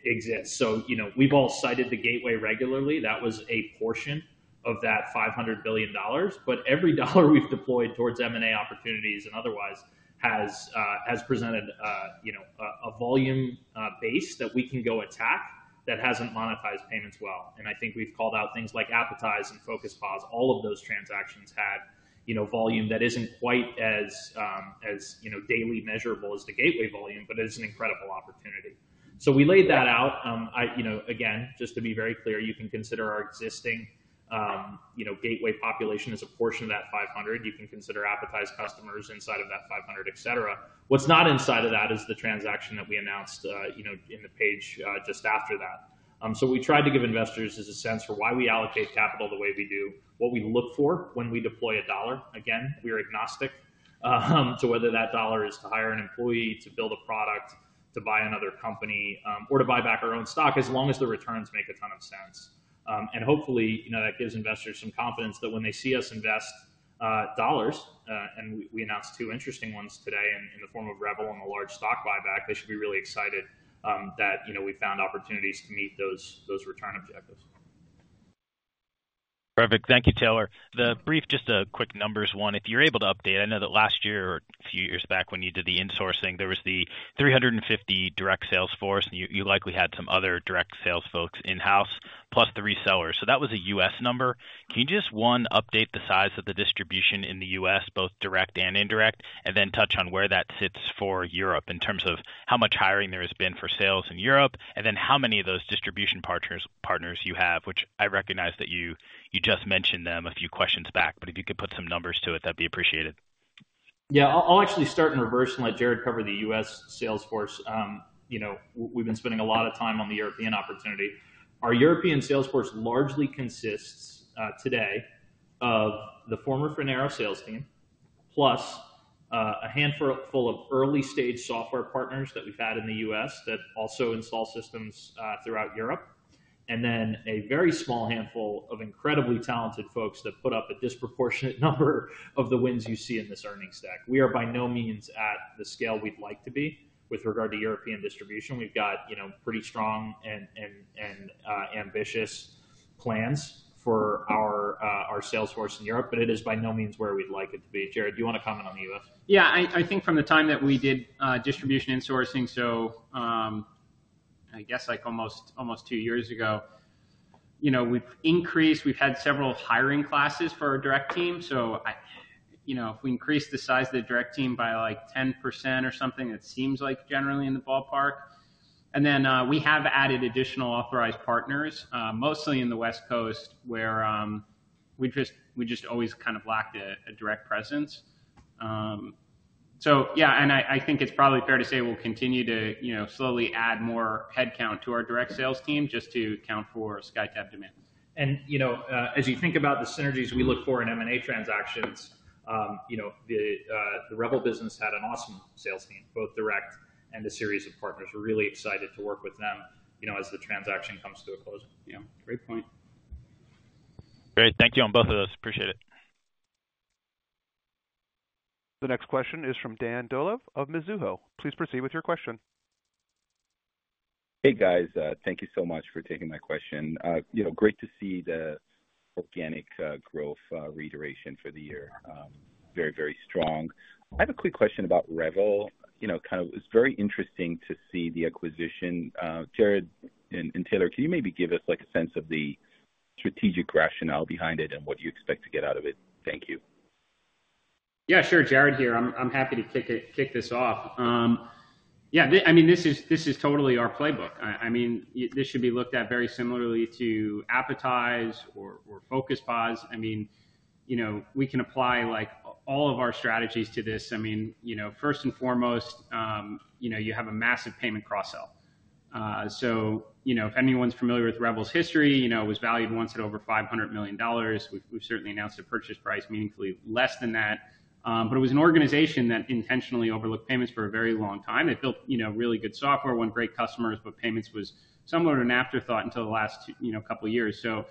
exists. So we've all cited the gateway regularly. That was a portion of that $500 billion. But every dollar we've deployed towards M&A opportunities and otherwise has presented a volume base that we can go attack that hasn't monetized payments well. And I think we've called out things like Appetize and Revel. All of those transactions had volume that isn't quite as daily measurable as the gateway volume, but it is an incredible opportunity. So we laid that out. Again, just to be very clear, you can consider our existing gateway population as a portion of that 500. You can consider Appetize customers inside of that 500, etc. What's not inside of that is the transaction that we announced in the page just after that. So we tried to give investors a sense for why we allocate capital the way we do, what we look for when we deploy a dollar. Again, we are agnostic to whether that dollar is to hire an employee, to build a product, to buy another company, or to buy back our own stock, as long as the returns make a ton of sense. And hopefully, that gives investors some confidence that when they see us invest dollars - and we announced two interesting ones today in the form of Revel and a large stock buyback - they should be really excited that we found opportunities to meet those return objectives. Perfect. Thank you, Taylor. Just a quick numbers one. If you're able to update, I know that last year or a few years back when you did the insourcing, there was the 350 direct sales force, and you likely had some other direct sales folks in-house plus the resellers. So that was a U.S. number. Can you just, one, update the size of the distribution in the U.S., both direct and indirect, and then touch on where that sits for Europe in terms of how much hiring there has been for sales in Europe, and then how many of those distribution partners you have, which I recognize that you just mentioned them a few questions back. But if you could put some numbers to it, that'd be appreciated. Yeah. I'll actually start in reverse and let Jared cover the U.S. salesforce. We've been spending a lot of time on the European opportunity. Our European salesforce largely consists today of the former Finaro sales team plus a handful of early-stage software partners that we've had in the U.S. that also install systems throughout Europe, and then a very small handful of incredibly talented folks that put up a disproportionate number of the wins you see in this earnings stack. We are by no means at the scale we'd like to be with regard to European distribution. We've got pretty strong and ambitious plans for our salesforce in Europe, but it is by no means where we'd like it to be. Jared, do you want to comment on the U.S.? Yeah. I think from the time that we did distribution insourcing, so I guess almost two years ago, we've had several hiring classes for our direct team. So if we increase the size of the direct team by like 10% or something, it seems like generally in the ballpark. And then we have added additional authorized partners, mostly in the West Coast, where we just always kind of lacked a direct presence. So yeah. And I think it's probably fair to say we'll continue to slowly add more headcount to our direct sales team just to account for SkyTab demand. As you think about the synergies we look for in M&A transactions, the Revel business had an awesome sales team, both direct and a series of partners. We're really excited to work with them as the transaction comes to a closing. Yeah. Great point. Great. Thank you on both of those. Appreciate it. The next question is from Dan Dolev of Mizuho. Please proceed with your question. Hey, guys. Thank you so much for taking my question. Great to see the organic growth reiteration for the year. Very, very strong. I have a quick question about Revel. Kind of it was very interesting to see the acquisition. Jared and Taylor, can you maybe give us a sense of the strategic rationale behind it and what you expect to get out of it? Thank you. Yeah. Sure. Jared here. I'm happy to kick this off. Yeah. I mean, this is totally our playbook. I mean, this should be looked at very similarly to Appetize or Focus POS. I mean, we can apply all of our strategies to this. I mean, first and foremost, you have a massive payment cross-sell. So if anyone's familiar with Revel's history, it was valued once at over $500 million. We've certainly announced a purchase price meaningfully less than that. But it was an organization that intentionally overlooked payments for a very long time. They built really good software, won great customers, but payments was somewhat of an afterthought until the last couple of years. So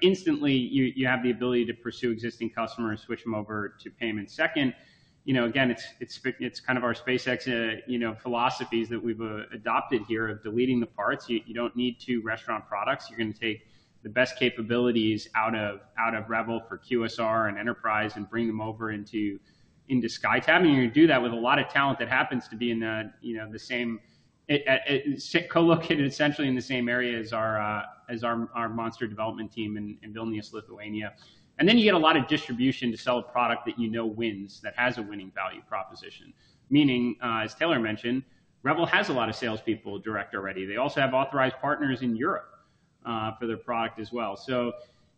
instantly, you have the ability to pursue existing customers, switch them over to payment second. Again, it's kind of our SpaceX philosophies that we've adopted here of deleting the parts. You don't need two restaurant products. You're going to take the best capabilities out of Revel for QSR and Enterprise and bring them over into SkyTab. You're going to do that with a lot of talent that happens to be in the same co-located, essentially, in the same area as our monster development team in Vilnius, Lithuania. Then you get a lot of distribution to sell a product that you know wins, that has a winning value proposition. Meaning, as Taylor mentioned, Revel has a lot of salespeople direct already. They also have authorized partners in Europe for their product as well.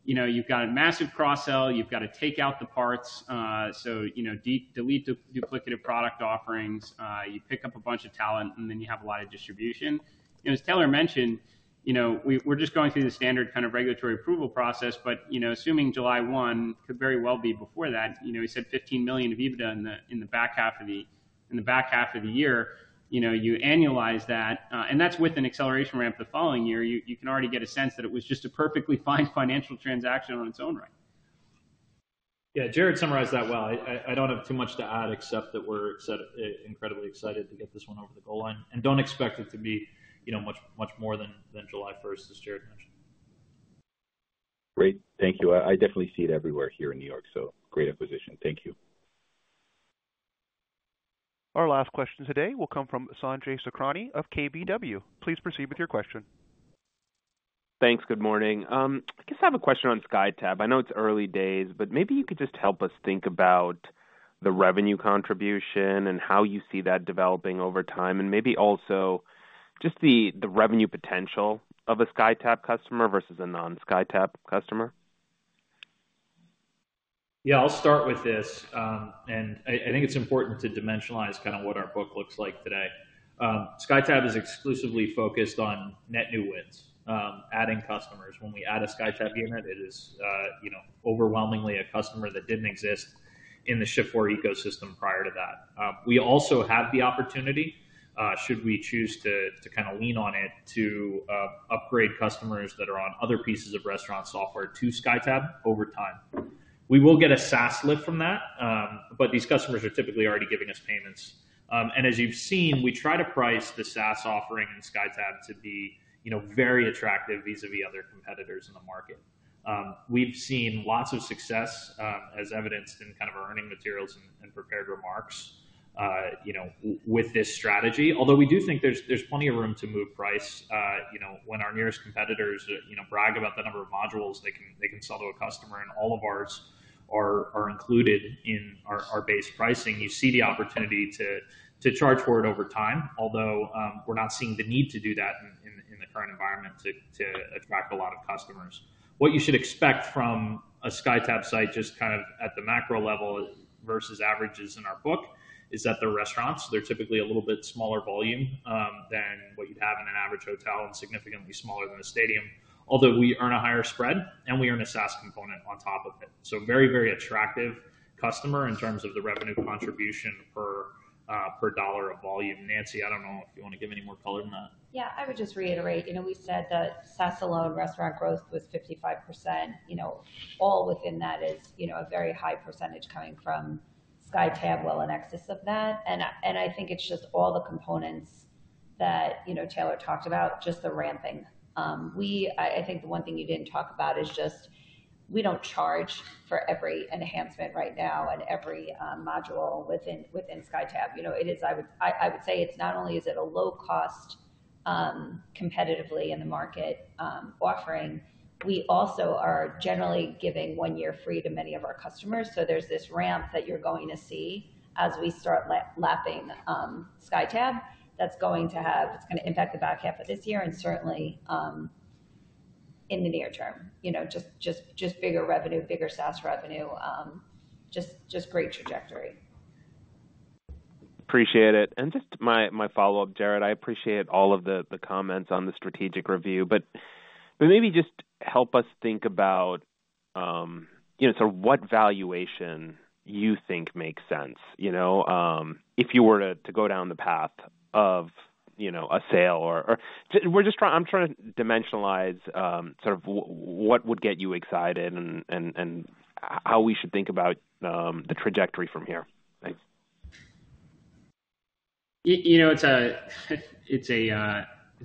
You've got a massive cross-sell. You've got to take out the parts. Delete duplicative product offerings. You pick up a bunch of talent, and then you have a lot of distribution. As Taylor mentioned, we're just going through the standard kind of regulatory approval process. But assuming July 1 could very well be before that, he said $15 million of EBITDA in the back half of the year. You annualize that. And that's with an acceleration ramp the following year. You can already get a sense that it was just a perfectly fine financial transaction in its own right. Yeah. Jared summarized that well. I don't have too much to add except that we're incredibly excited to get this one over the goal line. And don't expect it to be much more than July 1st, as Jared mentioned. Great. Thank you. I definitely see it everywhere here in New York. So great acquisition. Thank you. Our last question today will come from Sanjay Sakhrani of KBW. Please proceed with your question. Thanks. Good morning. I guess I have a question on SkyTab. I know it's early days, but maybe you could just help us think about the revenue contribution and how you see that developing over time and maybe also just the revenue potential of a SkyTab customer versus a non-SkyTab customer. Yeah. I'll start with this. And I think it's important to dimensionalize kind of what our book looks like today. SkyTab is exclusively focused on net new wins, adding customers. When we add a SkyTab unit, it is overwhelmingly a customer that didn't exist in the Shift4 ecosystem prior to that. We also have the opportunity, should we choose to kind of lean on it, to upgrade customers that are on other pieces of restaurant software to SkyTab over time. We will get a SaaS lift from that, but these customers are typically already giving us payments. And as you've seen, we try to price the SaaS offering in SkyTab to be very attractive vis-à-vis other competitors in the market. We've seen lots of success, as evidenced in kind of our earnings materials and prepared remarks, with this strategy. Although we do think there's plenty of room to move price. When our nearest competitors brag about the number of modules they can sell to a customer and all of ours are included in our base pricing, you see the opportunity to charge for it over time, although we're not seeing the need to do that in the current environment to attract a lot of customers. What you should expect from a SkyTab site just kind of at the macro level versus averages in our book is that the restaurants, they're typically a little bit smaller volume than what you'd have in an average hotel and significantly smaller than a stadium, although we earn a higher spread, and we earn a SaaS component on top of it. So very, very attractive customer in terms of the revenue contribution per dollar of volume. Nancy, I don't know if you want to give any more color on that. Yeah. I would just reiterate. We said that SaaS alone, restaurant growth was 55%. All within that is a very high percentage coming from SkyTab, well, an excess of that. I think it's just all the components that Taylor talked about, just the ramping. I think the one thing you didn't talk about is just we don't charge for every enhancement right now and every module within SkyTab. I would say it's not only is it a low-cost, competitively in the market, offering, we also are generally giving one year free to many of our customers. So there's this ramp that you're going to see as we start lapping SkyTab that's going to have, it's going to impact the back half of this year and certainly in the near term. Just bigger revenue, bigger SaaS revenue. Just great trajectory. Appreciate it. Just my follow-up, Jared. I appreciate all of the comments on the strategic review. But maybe just help us think about sort of what valuation you think makes sense. If you were to go down the path of a sale, or I'm trying to dimensionalize sort of what would get you excited and how we should think about the trajectory from here. Thanks.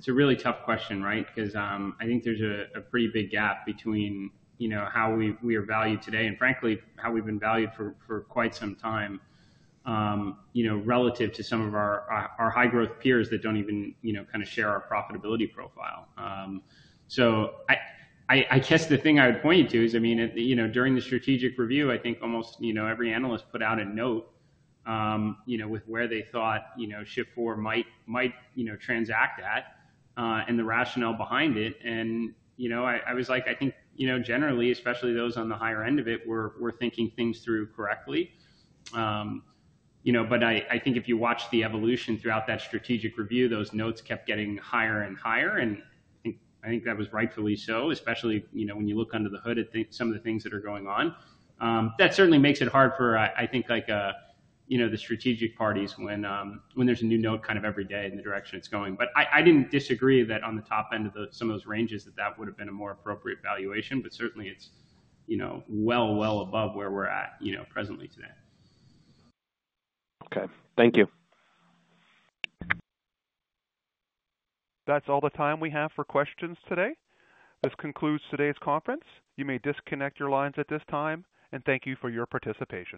It's a really tough question, right? Because I think there's a pretty big gap between how we are valued today and, frankly, how we've been valued for quite some time relative to some of our high-growth peers that don't even kind of share our profitability profile. So I guess the thing I would point you to is, I mean, during the strategic review, I think almost every analyst put out a note with where they thought Shift4 might transact at and the rationale behind it. And I was like, "I think generally, especially those on the higher end of it, were thinking things through correctly." But I think if you watch the evolution throughout that strategic review, those notes kept getting higher and higher. And I think that was rightfully so, especially when you look under the hood at some of the things that are going on. That certainly makes it hard for, I think, the strategic parties when there's a new note kind of every day in the direction it's going. But I didn't disagree that on the top end of some of those ranges, that that would have been a more appropriate valuation. But certainly, it's well, well above where we're at presently today. Okay. Thank you. That's all the time we have for questions today. This concludes today's conference. You may disconnect your lines at this time. Thank you for your participation.